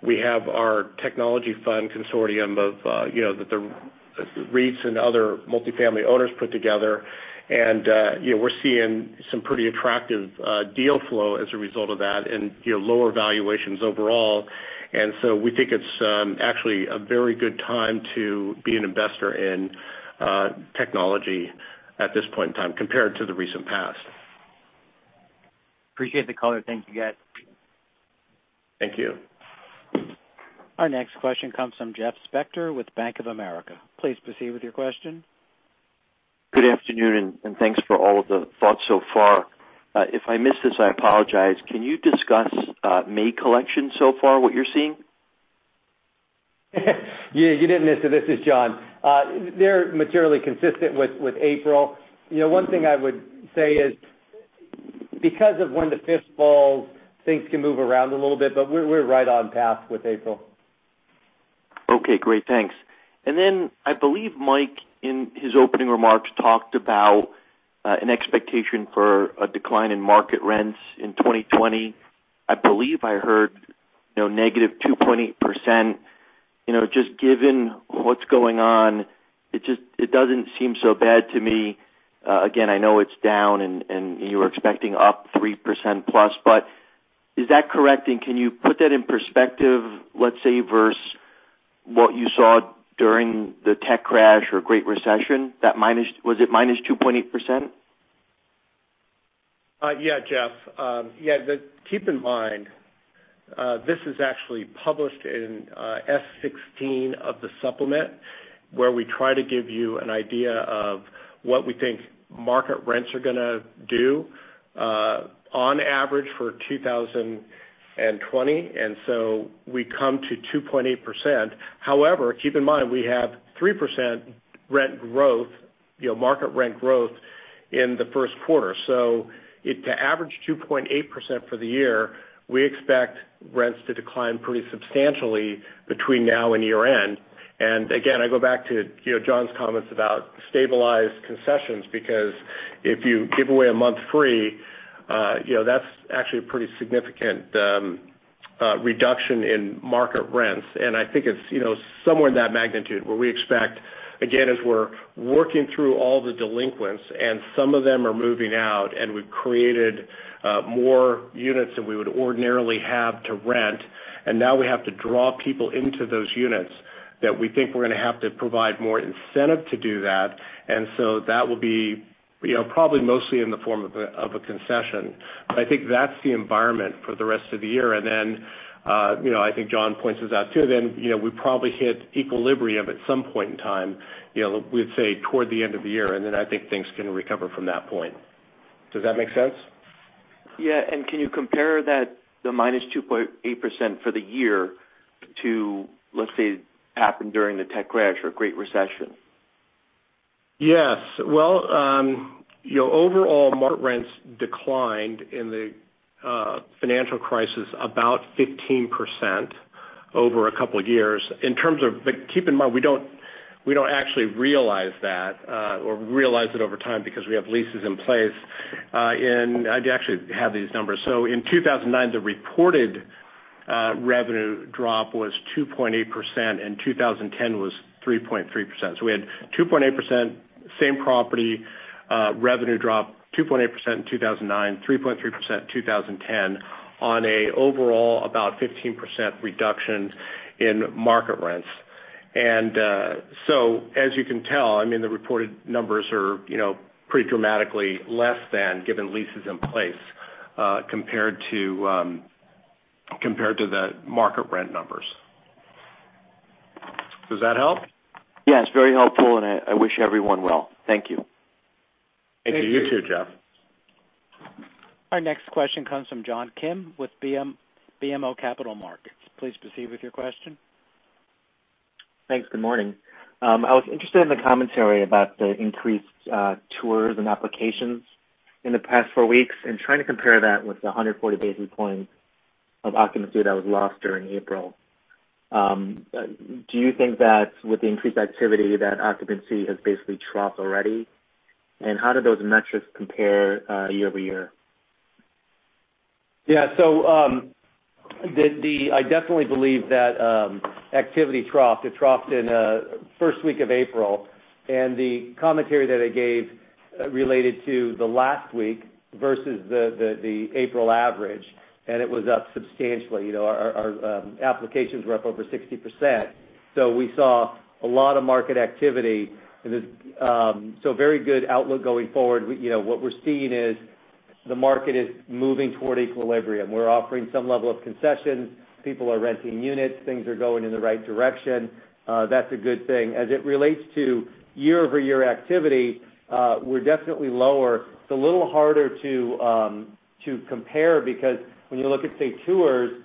we have our technology fund consortium of the REITs and other multi-family owners put together, and we're seeing some pretty attractive deal flow as a result of that and lower valuations overall. We think it's actually a very good time to be an investor in technology at this point in time compared to the recent past. Appreciate the color. Thank you, guys. Thank you. Our next question comes from Jeff Spector with Bank of America. Please proceed with your question. Good afternoon, thanks for all of the thoughts so far. If I missed this, I apologize. Can you discuss May collection so far, what you're seeing? Yeah, you didn't miss it. This is John. They're materially consistent with April. One thing I would say is, because of when the fifth falls, things can move around a little bit, but we're right on path with April. Okay, great. Thanks. Then, I believe Mike, in his opening remarks, talked about an expectation for a decline in market rents in 2020. I believe I heard -2.8%. Just given what's going on, it doesn't seem so bad to me. Again, I know it's down, and you were expecting up 3%+, but is that correct? Can you put that in perspective, let's say, versus what you saw during the tech crash or Great Recession? Was it -2.8%? Yeah, Jeff. Keep in mind, this is actually published in S16 of the supplement, where we try to give you an idea of what we think market rents are going to do on average for 2020. We come to 2.8%. However, keep in mind, we have 3% market rent growth in the first quarter. To average 2.8% for the year, we expect rents to decline pretty substantially between now and year-end. Again, I go back to John's comments about stabilized concessions, because if you give away a month free, that's actually a pretty significant reduction in market rents. I think it's somewhere in that magnitude, where we expect, again, as we're working through all the delinquents and some of them are moving out, and we've created more units than we would ordinarily have to rent, and now we have to draw people into those units, that we think we're going to have to provide more incentive to do that. That will be probably mostly in the form of a concession. I think that's the environment for the rest of the year. I think John points this out too then, we probably hit equilibrium at some point in time, we'd say toward the end of the year, I think things can recover from that point. Does that make sense? Yeah. Can you compare the -2.8% for the year to, let's say, what happened during the tech crash or Great Recession? Yes. Well, overall, market rents declined in the financial crisis about 15% over a couple of years. Keep in mind, we don't actually realize that or realize it over time because we have leases in place. I actually have these numbers. In 2009, the reported revenue drop was 2.8%, and 2010 was 3.3%. We had 2.8% same property revenue drop, 2.8% in 2009, 3.3% in 2010 on an overall about 15% reduction in market rents. As you can tell, the reported numbers are pretty dramatically less than given leases in place compared to the market rent numbers. Does that help? Yes. It's very helpful, and I wish everyone well. Thank you. Thank you. You too, Jeff. Our next question comes from John Kim with BMO Capital Markets. Please proceed with your question. Thanks. Good morning. I was interested in the commentary about the increased tours and applications in the past four weeks and trying to compare that with the 140 basis points of occupancy that was lost during April. Do you think that with the increased activity, that occupancy has basically troughed already? How do those metrics compare year-over-year? Yeah. I definitely believe that activity troughed. It troughed in the first week of April. The commentary that I gave related to the last week versus the April average, and it was up substantially. Our applications were up over 60%. We saw a lot of market activity. Very good outlook going forward. What we're seeing is the market is moving toward equilibrium. We're offering some level of concession. People are renting units. Things are going in the right direction. That's a good thing. As it relates to year-over-year activity, we're definitely lower. It's a little harder to compare because when you look at, say, tours,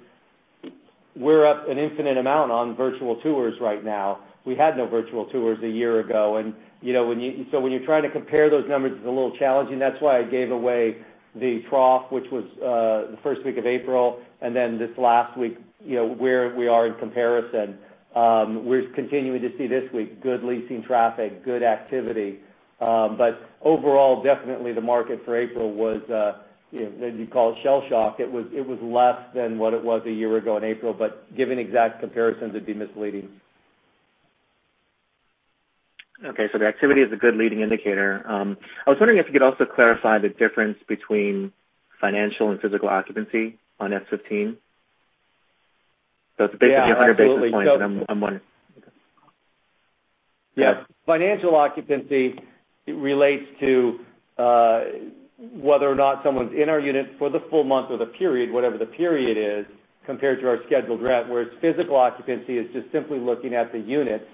we're up an infinite amount on virtual tours right now. We had no virtual tours a year ago. When you're trying to compare those numbers, it's a little challenging. That's why I gave away the trough, which was the first week of April, and then this last week, where we are in comparison. We're continuing to see this week good leasing traffic, good activity. Overall, definitely the market for April was, as you call it, shell shock. It was less than what it was a year ago in April, but giving exact comparisons would be misleading. Okay. The activity is a good leading indicator. I was wondering if you could also clarify the difference between financial and physical occupancy on F15. It's a big difference in basis points, and I'm wondering. Okay. Yeah. Financial occupancy relates to whether or not someone's in our unit for the full month or the period, whatever the period is, compared to our scheduled rent, whereas physical occupancy is just simply looking at the units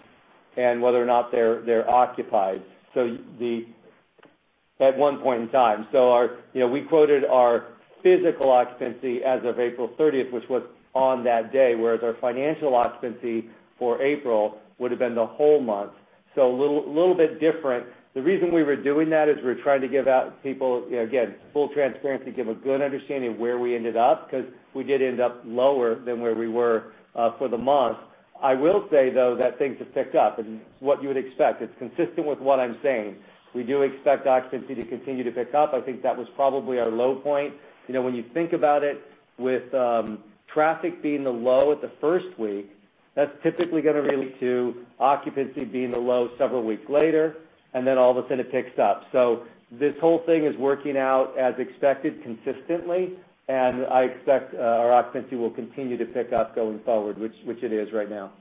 and whether or not they're occupied at one point in time. We quoted our physical occupancy as of April 30th, which was on that day, whereas our financial occupancy for April would've been the whole month. A little bit different. The reason we were doing that is we were trying to give out people, again, full transparency, give a good understanding of where we ended up, because we did end up lower than where we were, for the month. I will say, though, that things have picked up and what you would expect. It's consistent with what I'm saying. We do expect occupancy to continue to pick up. I think that was probably our low point. When you think about it, with traffic being the low at the first week, that's typically going to lead to occupancy being the low several weeks later, and then all of a sudden it picks up. This whole thing is working out as expected consistently, and I expect our occupancy will continue to pick up going forward, which it is right now.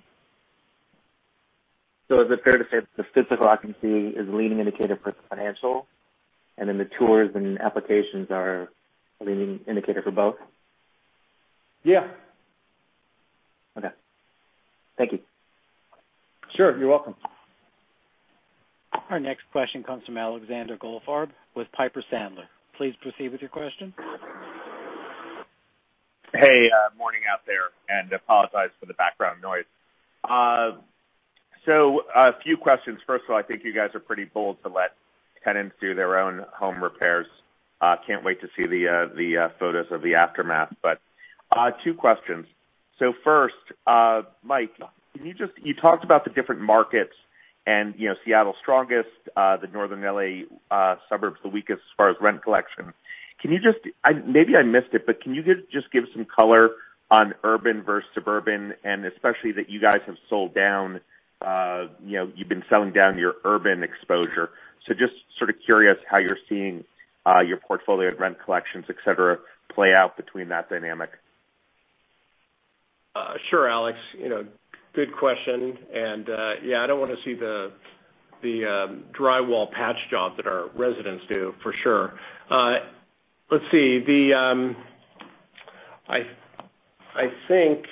Is it fair to say that the physical occupancy is leading indicator for financial? The tours and applications are a leading indicator for both? Yeah. Okay. Thank you. Sure. You're welcome. Our next question comes from Alexander Goldfarb with Piper Sandler. Please proceed with your question. Hey, morning out there, and apologize for the background noise. A few questions. First of all, I think you guys are pretty bold to let tenants do their own home repairs. Can't wait to see the photos of the aftermath. Two questions. First, Mike, you talked about the different markets and Seattle's strongest, the Northern L.A. suburbs, the weakest as far as rent collection. Maybe I missed it, can you just give some color on urban versus suburban, and especially that you guys have sold down, you've been selling down your urban exposure. Just sort of curious how you're seeing your portfolio rent collections, et cetera, play out between that dynamic. Sure, Alex. Good question. Yeah, I don't want to see the drywall patch job that our residents do, for sure. Let's see. I think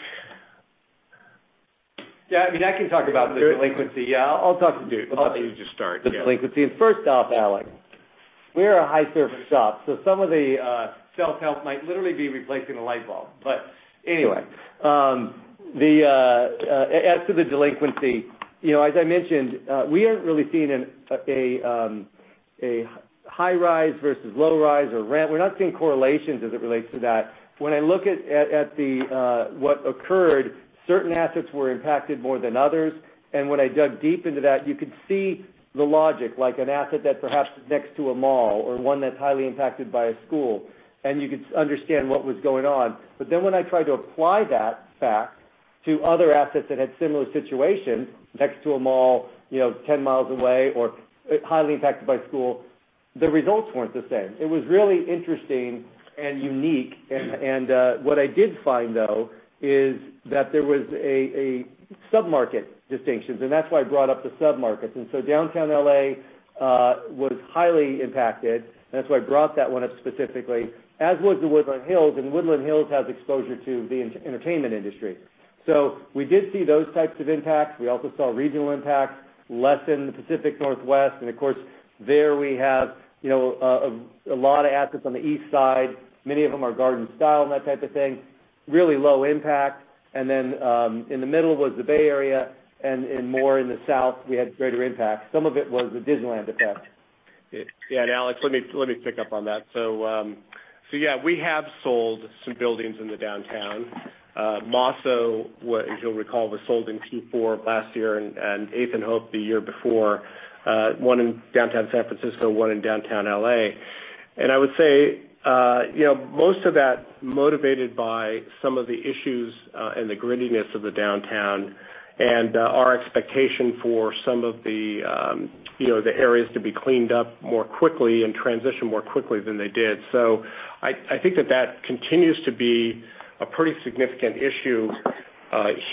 Yeah, I can talk about the delinquency. Yeah, I'll talk about it. You just start. The delinquency. First off, Alex, we are a high-service shop, so some of the self-help might literally be replacing a light bulb. Anyway, as to the delinquency, as I mentioned, we aren't really seeing a high-rise versus low-rise or rent. We're not seeing correlations as it relates to that. When I look at what occurred, certain assets were impacted more than others, when I dug deep into that, you could see the logic, like an asset that perhaps is next to a mall or one that's highly impacted by a school, you could understand what was going on. Then when I tried to apply that fact to other assets that had similar situations, next to a mall 10 mi away or highly impacted by school, the results weren't the same. It was really interesting and unique. What I did find, though, is that there was a sub-market distinctions, and that's why I brought up the sub-markets. Downtown L.A. was highly impacted, and that's why I brought that one up specifically, as was the Woodland Hills, and Woodland Hills has exposure to the entertainment industry. We did see those types of impacts. We also saw regional impacts lessen the Pacific Northwest, and of course, there we have a lot of assets on the east side. Many of them are garden-style and that type of thing. Really low impact. Then, in the middle was the Bay Area, and more in the south, we had greater impact. Some of it was the Disneyland effect. Yeah. Alex, let me pick up on that. Yeah, we have sold some buildings in the downtown. Mosso, as you'll recall, was sold in Q4 of last year and 8th+Hope the year before. One in downtown San Francisco, one in downtown L.A. I would say most of that motivated by some of the issues, and the grittiness of the downtown, and our expectation for some of the areas to be cleaned up more quickly and transition more quickly than they did. I think that continues to be a pretty significant issue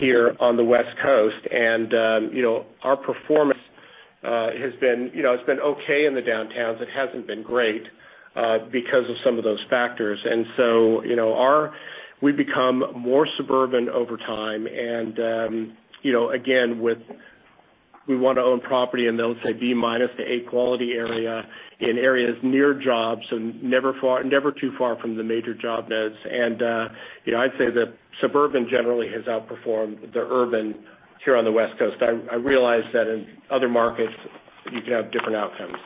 here on the West Coast. Our performance has been okay in the downtowns. It hasn't been great because of some of those factors. We've become more suburban over time. Again, we want to own property in, let's say, B-minus to A quality area, in areas near jobs and never too far from the major job nodes. I'd say the suburban generally has outperformed the urban here on the West Coast. I realize that in other markets you can have different outcomes.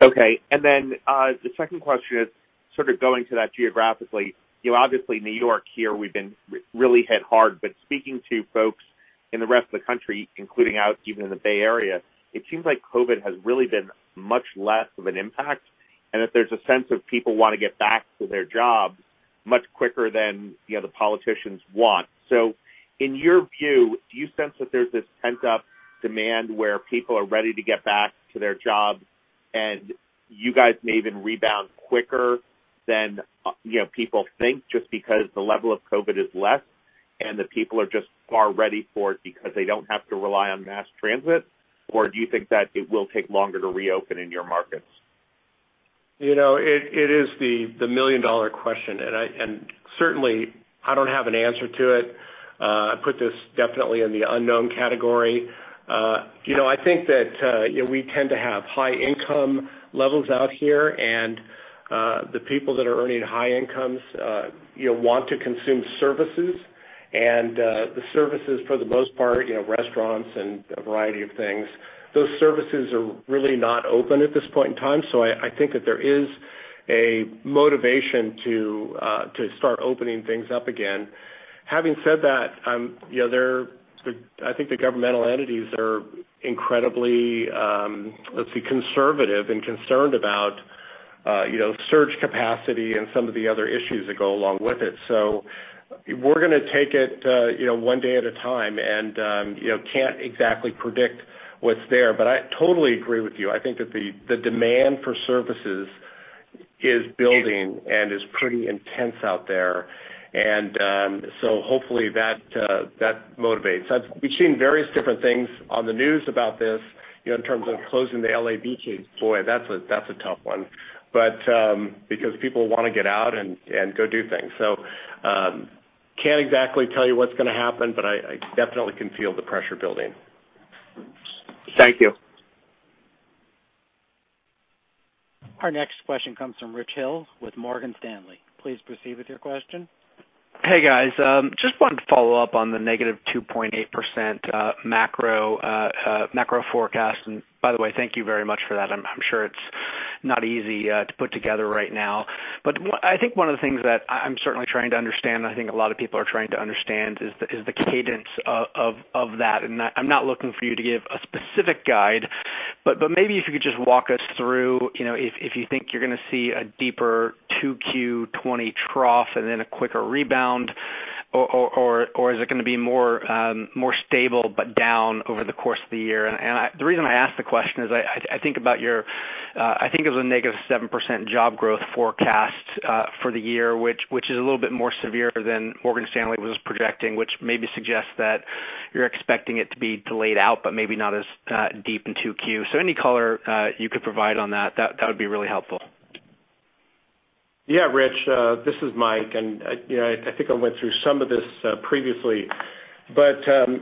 The second question is sort of going to that geographically. Obviously New York here, we've been really hit hard, but speaking to folks in the rest of the country, including out even in the Bay Area, it seems like COVID has really been much less of an impact, and that there's a sense of people want to get back to their jobs much quicker than the politicians want. In your view, do you sense that there's this pent-up demand where people are ready to get back to their jobs and you guys may even rebound quicker than people think just because the level of COVID is less, and the people are just far ready for it because they don't have to rely on mass transit? Or do you think that it will take longer to reopen in your markets? It is the million-dollar question, certainly, I don't have an answer to it. I put this definitely in the unknown category. I think that we tend to have high income levels out here the people that are earning high incomes want to consume services. The services for the most part, restaurants and a variety of things, those services are really not open at this point in time. I think that there is a motivation to start opening things up again. Having said that, I think the governmental entities are incredibly, let's see, conservative and concerned about surge capacity and some of the other issues that go along with it. We're going to take it one day at a time and can't exactly predict what's there. I totally agree with you. I think that the demand for services is building and is pretty intense out there. Hopefully that motivates. We've seen various different things on the news about this in terms of closing the L.A. beaches. Boy, that's a tough one because people want to get out and go do things. Can't exactly tell you what's going to happen, but I definitely can feel the pressure building. Thank you. Our next question comes from Rich Hill with Morgan Stanley. Please proceed with your question. Hey, guys. Just wanted to follow up on the -2.8% macro forecast. By the way, thank you very much for that. I'm sure it's not easy to put together right now. I think one of the things that I'm certainly trying to understand, I think a lot of people are trying to understand, is the cadence of that. I'm not looking for you to give a specific guide, but maybe if you could just walk us through if you think you're going to see a deeper 2Q 2020 trough and then a quicker rebound, or is it going to be more stable but down over the course of the year? The reason I ask the question is I think it was a -7% job growth forecast for the year, which is a little bit more severe than Morgan Stanley was projecting, which maybe suggests that you're expecting it to be delayed out, but maybe not as deep in 2Q. Any color you could provide on that would be really helpful. Yeah, Rich, this is Mike. I think I went through some of this previously. The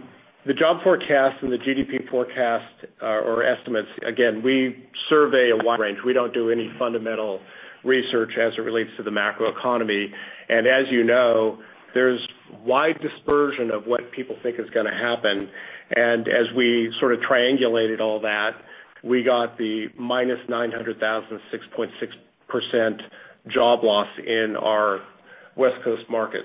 job forecast and the GDP forecast or estimates, again, we survey a wide range. We don't do any fundamental research as it relates to the macro economy. As you know, there's wide dispersion of what people think is going to happen. As we sort of triangulated all that, we got the -900,000, 6.6% job loss in our West Coast market.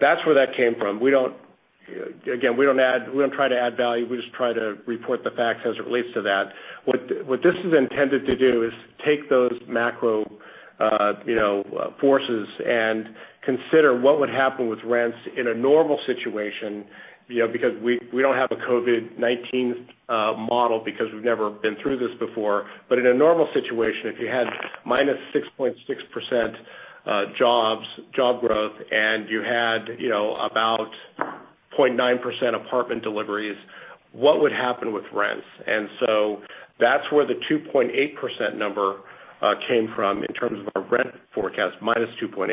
That's where that came from. Again, we don't try to add value. We just try to report the facts as it relates to that. What this is intended to do is take those macro forces and consider what would happen with rents in a normal situation, because we don't have a COVID-19 model because we've never been through this before. In a normal situation, if you had -6.6% job growth and you had about 0.9% apartment deliveries, what would happen with rents? That's where the 2.8% number came from in terms of our rent forecast, -2.8%.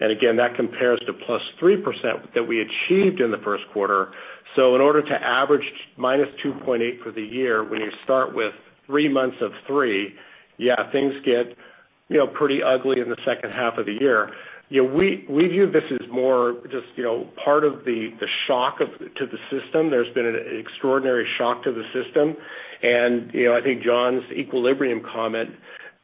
Again, that compares to +3% that we achieved in the first quarter. In order to average -2.8% for the year, when you start with three months of 3%, yeah, things get pretty ugly in the second half of the year. We view this as more just part of the shock to the system. There's been an extraordinary shock to the system. I think John's equilibrium comment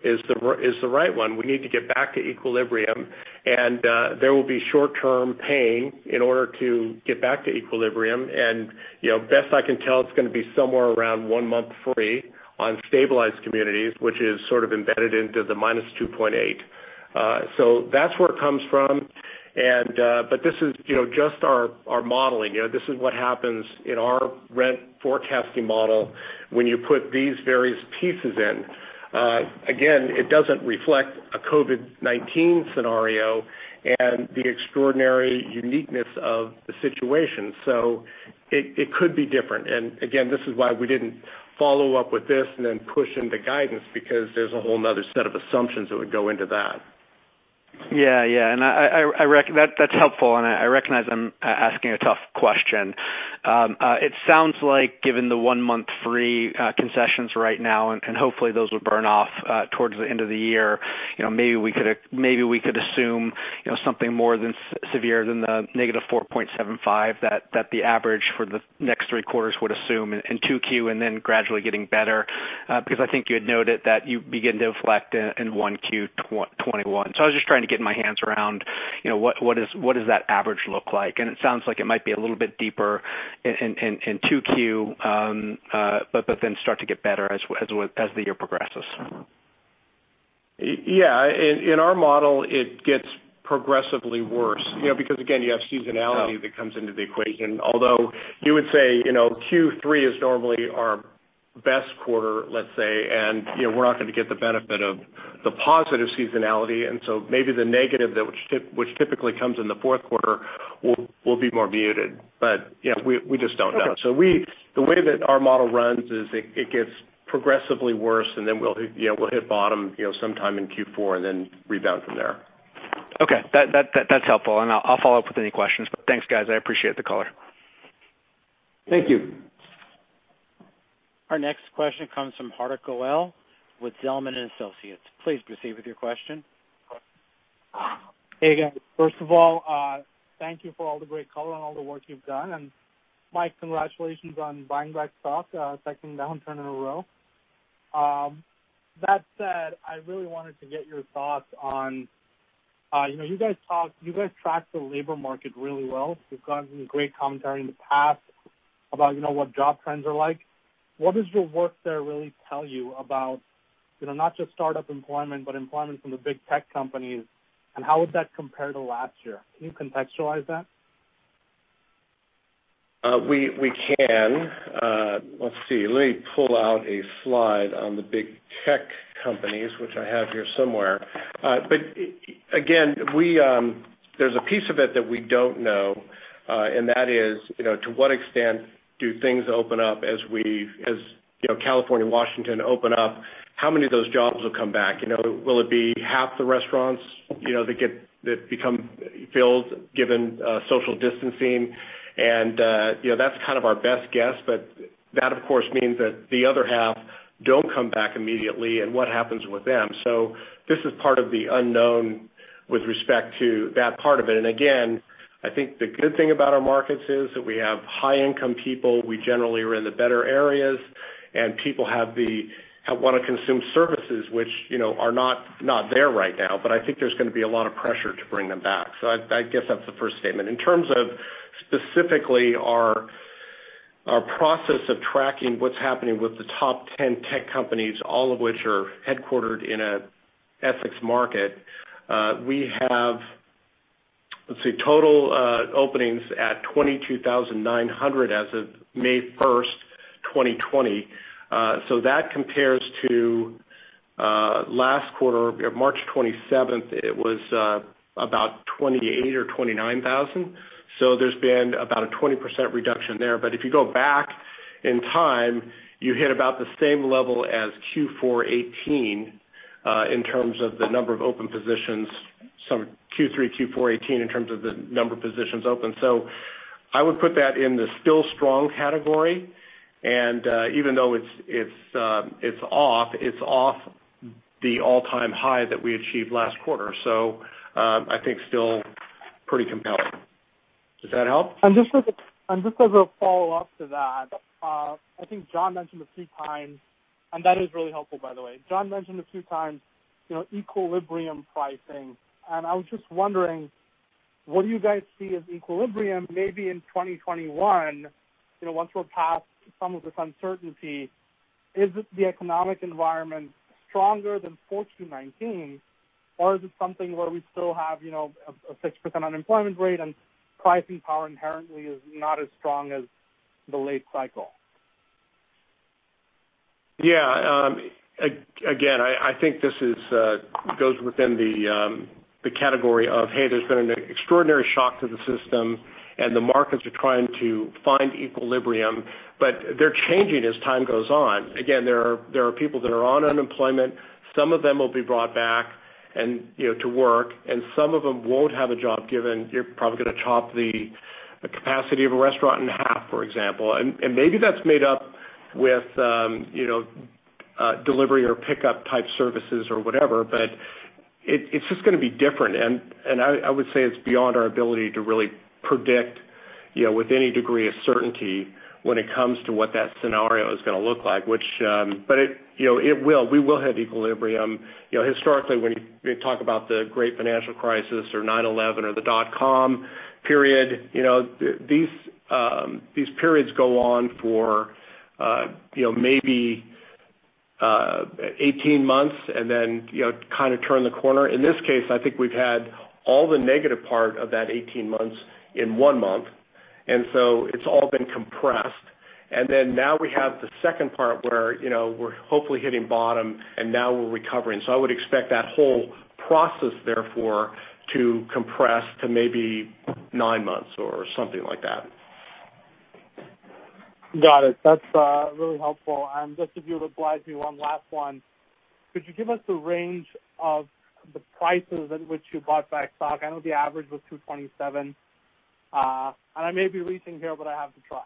is the right one. We need to get back to equilibrium, and there will be short-term pain in order to get back to equilibrium. Best I can tell, it's going to be somewhere around one month free on stabilized communities, which is sort of embedded into the -2.8%. That's where it comes from. This is just our modeling. This is what happens in our rent forecasting model when you put these various pieces in. Again, it doesn't reflect a COVID-19 scenario and the extraordinary uniqueness of the situation. It could be different. Again, this is why we didn't follow up with this and then push into guidance because there's a whole other set of assumptions that would go into that. Yeah. That's helpful, and I recognize I'm asking a tough question. It sounds like given the one month free concessions right now, and hopefully those will burn off towards the end of the year, maybe we could assume something more severe than the -4.75 that the average for the next three quarters would assume in 2Q and then gradually getting better. I think you had noted that you begin to reflect in Q1 2021. I was just trying to get my hands around what does that average look like, and it sounds like it might be a little bit deeper in 2Q, but then start to get better as the year progresses. Yeah. In our model, it gets progressively worse because again, you have seasonality that comes into the equation. Although you would say Q3 is normally our best quarter, let's say. We're not going to get the benefit of the positive seasonality, and so maybe the negative, which typically comes in the fourth quarter, will be more muted. We just don't know. Okay. The way that our model runs is it gets progressively worse, and then we'll hit bottom sometime in Q4 and then rebound from there. Okay. That's helpful, and I'll follow up with any questions. Thanks, guys. I appreciate the color. Thank you. Our next question comes from Hardik Goel with Zelman & Associates. Please proceed with your question. Hey, guys. First of all, thank you for all the great color and all the work you've done. Mike, congratulations on buying back stock, second downturn in a row. That said, I really wanted to get your thoughts on. You guys track the labor market really well. You've given great commentary in the past about what job trends are like. What does your work there really tell you about not just startup employment, but employment from the big tech companies, and how would that compare to last year? Can you contextualize that? We can. Let's see. Let me pull out a slide on the big tech companies, which I have here somewhere. Again, there's a piece of it that we don't know, and that is, to what extent do things open up as California and Washington open up, how many of those jobs will come back? Will it be half the restaurants that become filled given social distancing? That's kind of our best guess, but that, of course, means that the other half don't come back immediately, and what happens with them? This is part of the unknown with respect to that part of it. Again, I think the good thing about our markets is that we have high-income people. We generally are in the better areas, and people want to consume services which are not there right now. I think there's going to be a lot of pressure to bring them back. I guess that's the first statement. In terms of specifically our process of tracking what's happening with the top 10 tech companies, all of which are headquartered in an Essex market, we have, let's see, total openings at 22,900 as of May 1st, 2020. That compares to last quarter, March 27th, it was about 28,000 or 29,000. There's been about a 20% reduction there. But if you go back in time, you hit about the same level as Q4 2018, in terms of the number of open positions, Q3, Q4 2018, in terms of the number of positions open. I would put that in the still strong category. Even though it's off, it's off the all-time high that we achieved last quarter. I think still pretty compelling. Does that help? Just as a follow-up to that, I think John mentioned a few times, and that is really helpful, by the way. John mentioned a few times, equilibrium pricing. I was just wondering, what do you guys see as equilibrium, maybe in 2021, once we're past some of this uncertainty? Is the economic environment stronger than post-2019, or is it something where we still have a 6% unemployment rate and pricing power inherently is not as strong as the late cycle? Yeah. Again, I think this goes within the category of, hey, there's been an extraordinary shock to the system. The markets are trying to find equilibrium, but they're changing as time goes on. Again, there are people that are on unemployment. Some of them will be brought back to work. Some of them won't have a job given you're probably going to chop the capacity of a restaurant in half, for example. Maybe that's made up with delivery or pickup type services or whatever, but it's just going to be different. I would say it's beyond our ability to really predict with any degree of certainty when it comes to what that scenario is going to look like. We will have equilibrium. Historically, when you talk about the great financial crisis or 9/11 or the dot-com period, these periods go on for maybe 18 months and then kind of turn the corner. In this case, I think we've had all the negative part of that 18 months in one month, and so it's all been compressed. Now we have the second part where we're hopefully hitting bottom and now we're recovering. I would expect that whole process, therefore, to compress to maybe nine months or something like that. Got it. That's really helpful. Just if you would oblige me one last one. Could you give us the range of the prices at which you bought back stock? I know the average was 227. I may be reaching here, I have to try.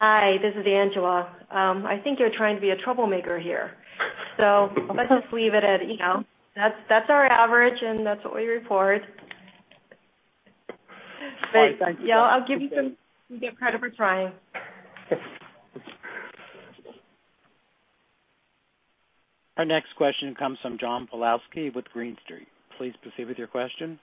Hi, this is Angela. I think you're trying to be a troublemaker here. Let's just leave it at that's our average and that's what we report. All right. Thank you. You get credit for trying. Our next question comes from John Pawlowski with Green Street. Please proceed with your question.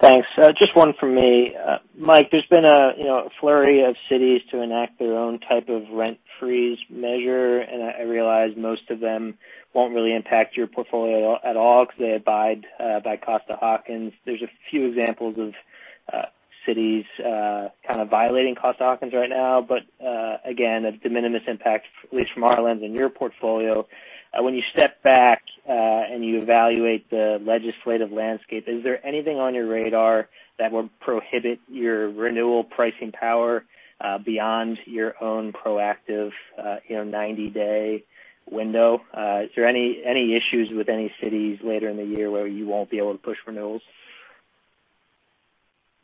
Thanks. Just one from me. Mike, there's been a flurry of cities to enact their own type of rent freeze measure, and I realize most of them won't really impact your portfolio at all because they abide by Costa-Hawkins. There's a few examples of cities kind of violating Costa-Hawkins right now, but again, a de minimis impact, at least from our lens in your portfolio. When you step back and you evaluate the legislative landscape, is there anything on your radar that will prohibit your renewal pricing power beyond your own proactive 90-day window? Is there any issues with any cities later in the year where you won't be able to push renewals?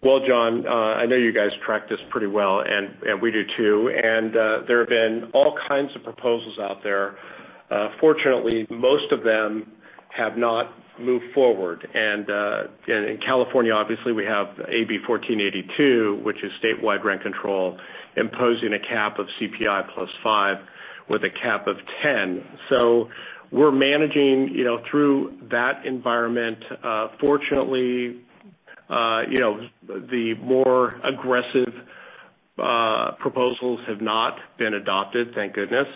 Well, John, I know you guys track this pretty well, and we do too. There have been all kinds of proposals out there. Fortunately, most of them have not moved forward. In California, obviously we have AB 1482, which is statewide rent control, imposing a cap of CPI plus five with a cap of 10. We're managing through that environment. Fortunately, the more aggressive proposals have not been adopted, thank goodness.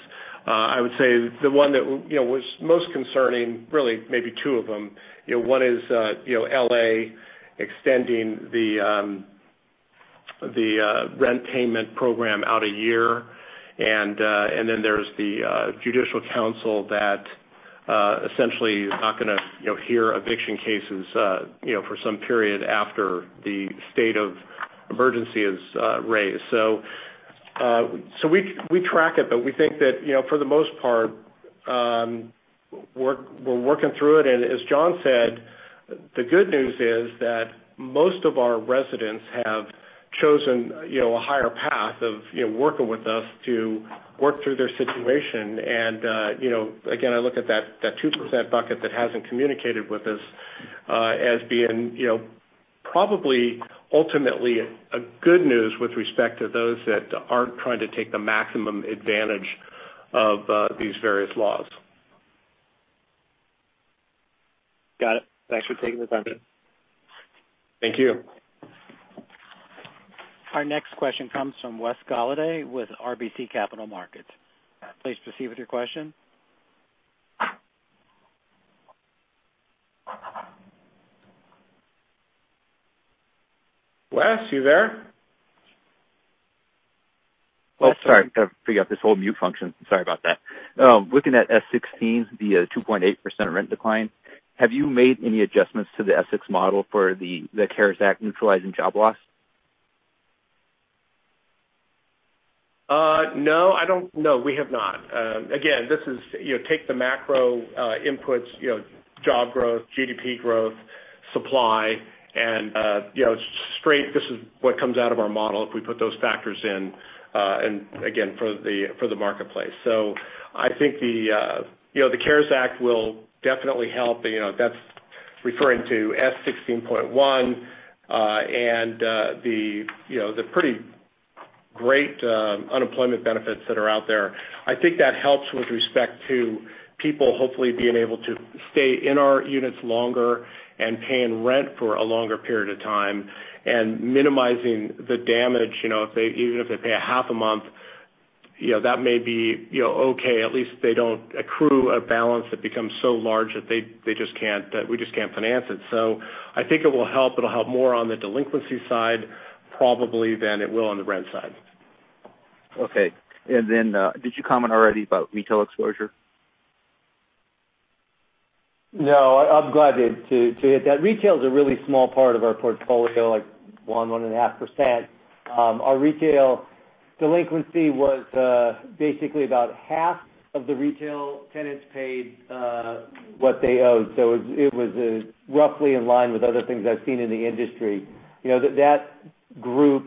I would say the one that was most concerning, really maybe two of them, one is L.A. extending the rent payment program out a year, and then there's the judicial council that essentially is not going to hear eviction cases for some period after the state of emergency is raised. We track it, but we think that for the most part, we're working through it. As John said, the good news is that most of our residents have chosen a higher path of working with us to work through their situation. Again, I look at that 2% bucket that hasn't communicated with us as being probably ultimately a good news with respect to those that aren't trying to take the maximum advantage of these various laws. Got it. Thanks for taking the time. Thank you. Our next question comes from Wes Golladay with RBC Capital Markets. Please proceed with your question. Wes, you there? Sorry. I forgot this whole mute function. Sorry about that. Looking at S16, the 2.8% rent decline, have you made any adjustments to the Essex model for the CARES Act neutralizing job loss? No, we have not. Again, take the macro inputs, job growth, GDP growth, supply, and straight this is what comes out of our model if we put those factors in, and again, for the marketplace. I think the CARES Act will definitely help. That's referring to S16.1, and the pretty great unemployment benefits that are out there. I think that helps with respect to people hopefully being able to stay in our units longer and paying rent for a longer period of time, and minimizing the damage. Even if they pay a half a month, that may be okay. At least they don't accrue a balance that becomes so large that we just can't finance it. I think it'll help. It'll help more on the delinquency side probably than it will on the rent side. Okay. Did you comment already about retail exposure? No, I'm glad to hit that. Retail is a really small part of our portfolio, like 1.5%. Our retail delinquency was basically about half of the retail tenants paid what they owed. It was roughly in line with other things I've seen in the industry. That group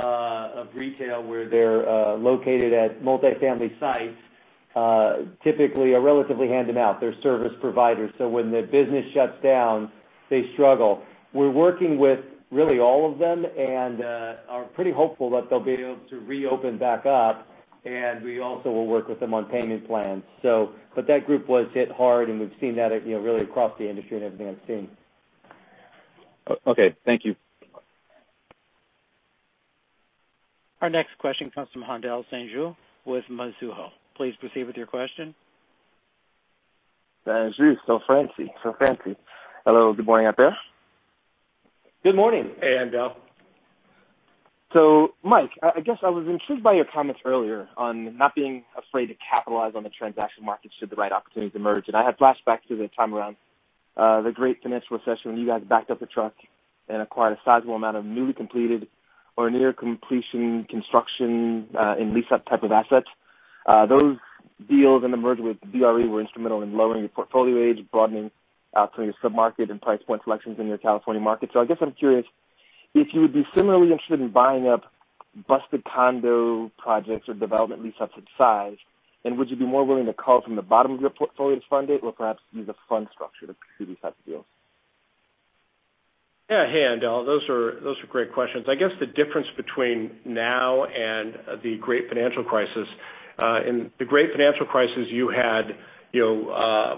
of retail where they're located at multifamily sites, typically are relatively handed out. They're service providers, so when the business shuts down, they struggle. We're working with really all of them and are pretty hopeful that they'll be able to reopen back up. We also will work with them on payment plans. That group was hit hard, and we've seen that really across the industry in everything I've seen. Okay. Thank you. Our next question comes from Haendel St. Juste with Mizuho. Please proceed with your question. St. Juste, so fancy. Hello. Good morning, out there. Good morning. Hey, Haendel. Mike, I guess I was intrigued by your comments earlier on not being afraid to capitalize on the transaction market should the right opportunities emerge. I had flashbacks to the time around the Great Financial Recession, when you guys backed up the truck and acquired a sizable amount of newly completed or near completion construction in lease up type of assets. Those deals in the merger with BRE were instrumental in lowering your portfolio age, broadening your sub-market and price point selections in your California market. I guess I'm curious if you would be similarly interested in buying up busted condo projects or development lease up size, and would you be more willing to call from the bottom of your portfolio to fund it or perhaps use a fund structure to do these types of deals? Yeah. Hey, Haendel. Those are great questions. I guess the difference between now and the Great Financial Crisis. In the Great Financial Crisis you had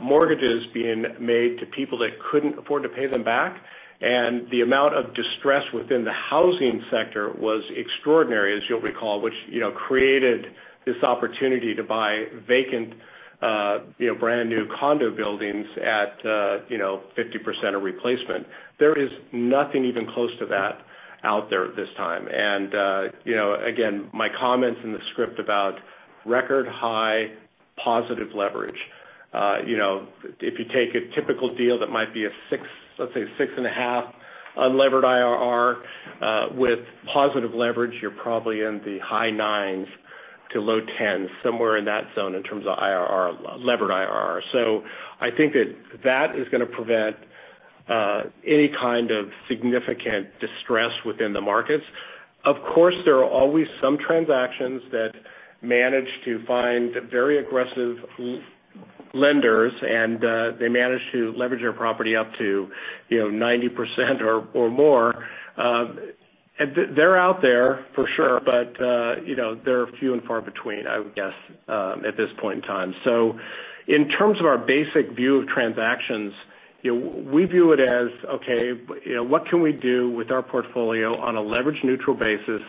mortgages being made to people that couldn't afford to pay them back, and the amount of distress within the housing sector was extraordinary, as you'll recall, which created this opportunity to buy vacant brand-new condo buildings at 50% of replacement. There is nothing even close to that out there at this time. Again, my comments in the script about Record high positive leverage. If you take a typical deal that might be, let's say, 6.5 unlevered IRR with positive leverage, you're probably in the high nines to low tens, somewhere in that zone in terms of levered IRR. I think that is going to prevent any kind of significant distress within the markets. Of course, there are always some transactions that manage to find very aggressive lenders and they manage to leverage their property up to 90% or more. They're out there for sure, they're few and far between, I would guess, at this point in time. In terms of our basic view of transactions, we view it as, okay, what can we do with our portfolio on a leverage neutral basis?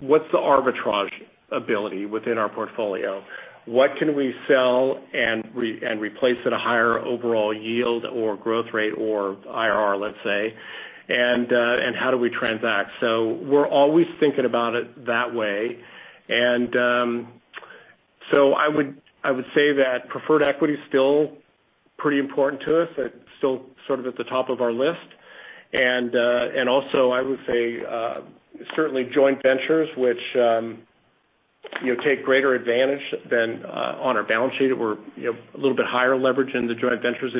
What's the arbitrage ability within our portfolio? What can we sell and replace at a higher overall yield or growth rate or IRR, let's say, and how do we transact? We're always thinking about it that way. I would say that preferred equity is still pretty important to us. It's still sort of at the top of our list. Also, I would say, certainly joint ventures, which take greater advantage than on our balance sheet, or a little bit higher leverage in the joint ventures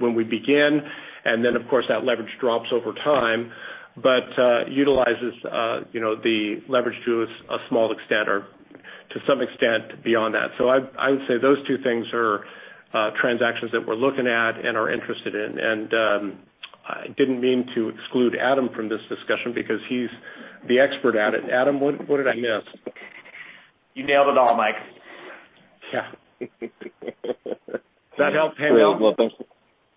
when we begin, and then, of course, that leverage drops over time, but utilizes the leverage to a small extent or to some extent beyond that. I would say those two things are transactions that we're looking at and are interested in. I didn't mean to exclude Adam from this discussion because he's the expert at it. Adam, what did I miss? You nailed it all, Mike. Yeah. That helps him out. Well,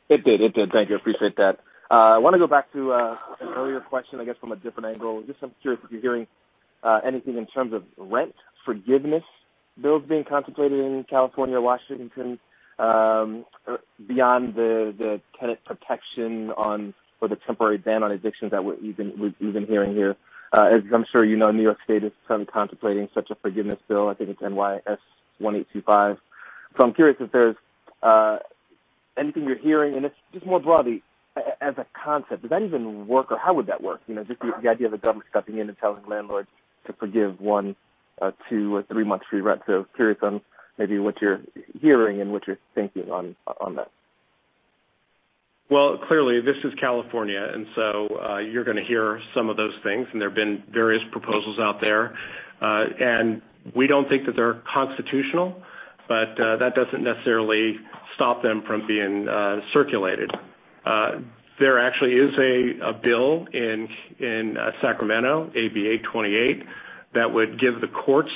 thanks. It did. Thank you. I appreciate that. I want to go back to an earlier question, I guess, from a different angle. I'm curious if you're hearing anything in terms of rent forgiveness bills being contemplated in California or Washington beyond the tenant protection on, or the temporary ban on evictions that we've been hearing here. As I'm sure you know, New York State is contemplating such a forgiveness bill. I think it's NY S8125. I'm curious if there's anything you're hearing, and it's just more broadly as a concept. Does that even work, or how would that work? The idea of the government stepping in and telling landlords to forgive one, two, or three months free rent, curious on maybe what you're hearing and what you're thinking on that. Well, clearly, this is California, and so you're going to hear some of those things, and there have been various proposals out there. We don't think that they're constitutional, but that doesn't necessarily stop them from being circulated. There actually is a bill in Sacramento, AB 828, that would give the courts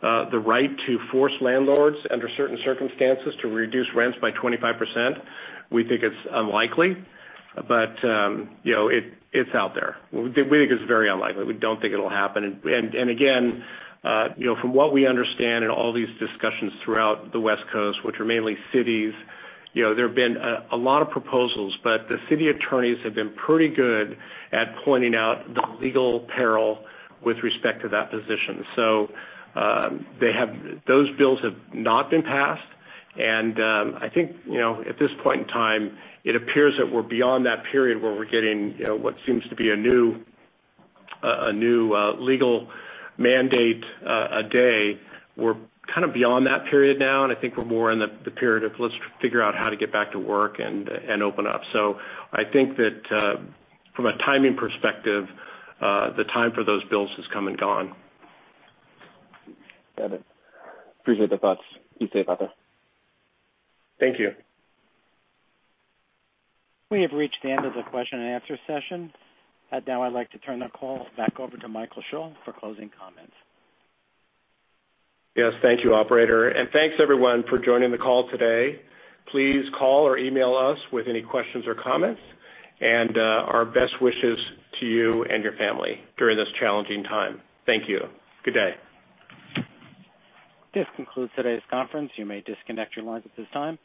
the right to force landlords under certain circumstances to reduce rents by 25%. We think it's unlikely, but it's out there. We think it's very unlikely. We don't think it'll happen. Again, from what we understand in all these discussions throughout the West Coast, which are mainly cities, there have been a lot of proposals, but the city attorneys have been pretty good at pointing out the legal peril with respect to that position. Those bills have not been passed, and I think at this point in time, it appears that we're beyond that period where we're getting what seems to be a new legal mandate a day. We're kind of beyond that period now, and I think we're more in the period of let's figure out how to get back to work and open up. I think that from a timing perspective, the time for those bills has come and gone. Got it. Appreciate the thoughts. Be safe out there. Thank you. We have reached the end of the question and answer session. I'd like to turn the call back over to Michael Schall for closing comments. Yes, thank you, operator. Thanks everyone for joining the call today. Please call or email us with any questions or comments. Our best wishes to you and your family during this challenging time. Thank you. Good day. This concludes today's conference. You may disconnect your lines at this time.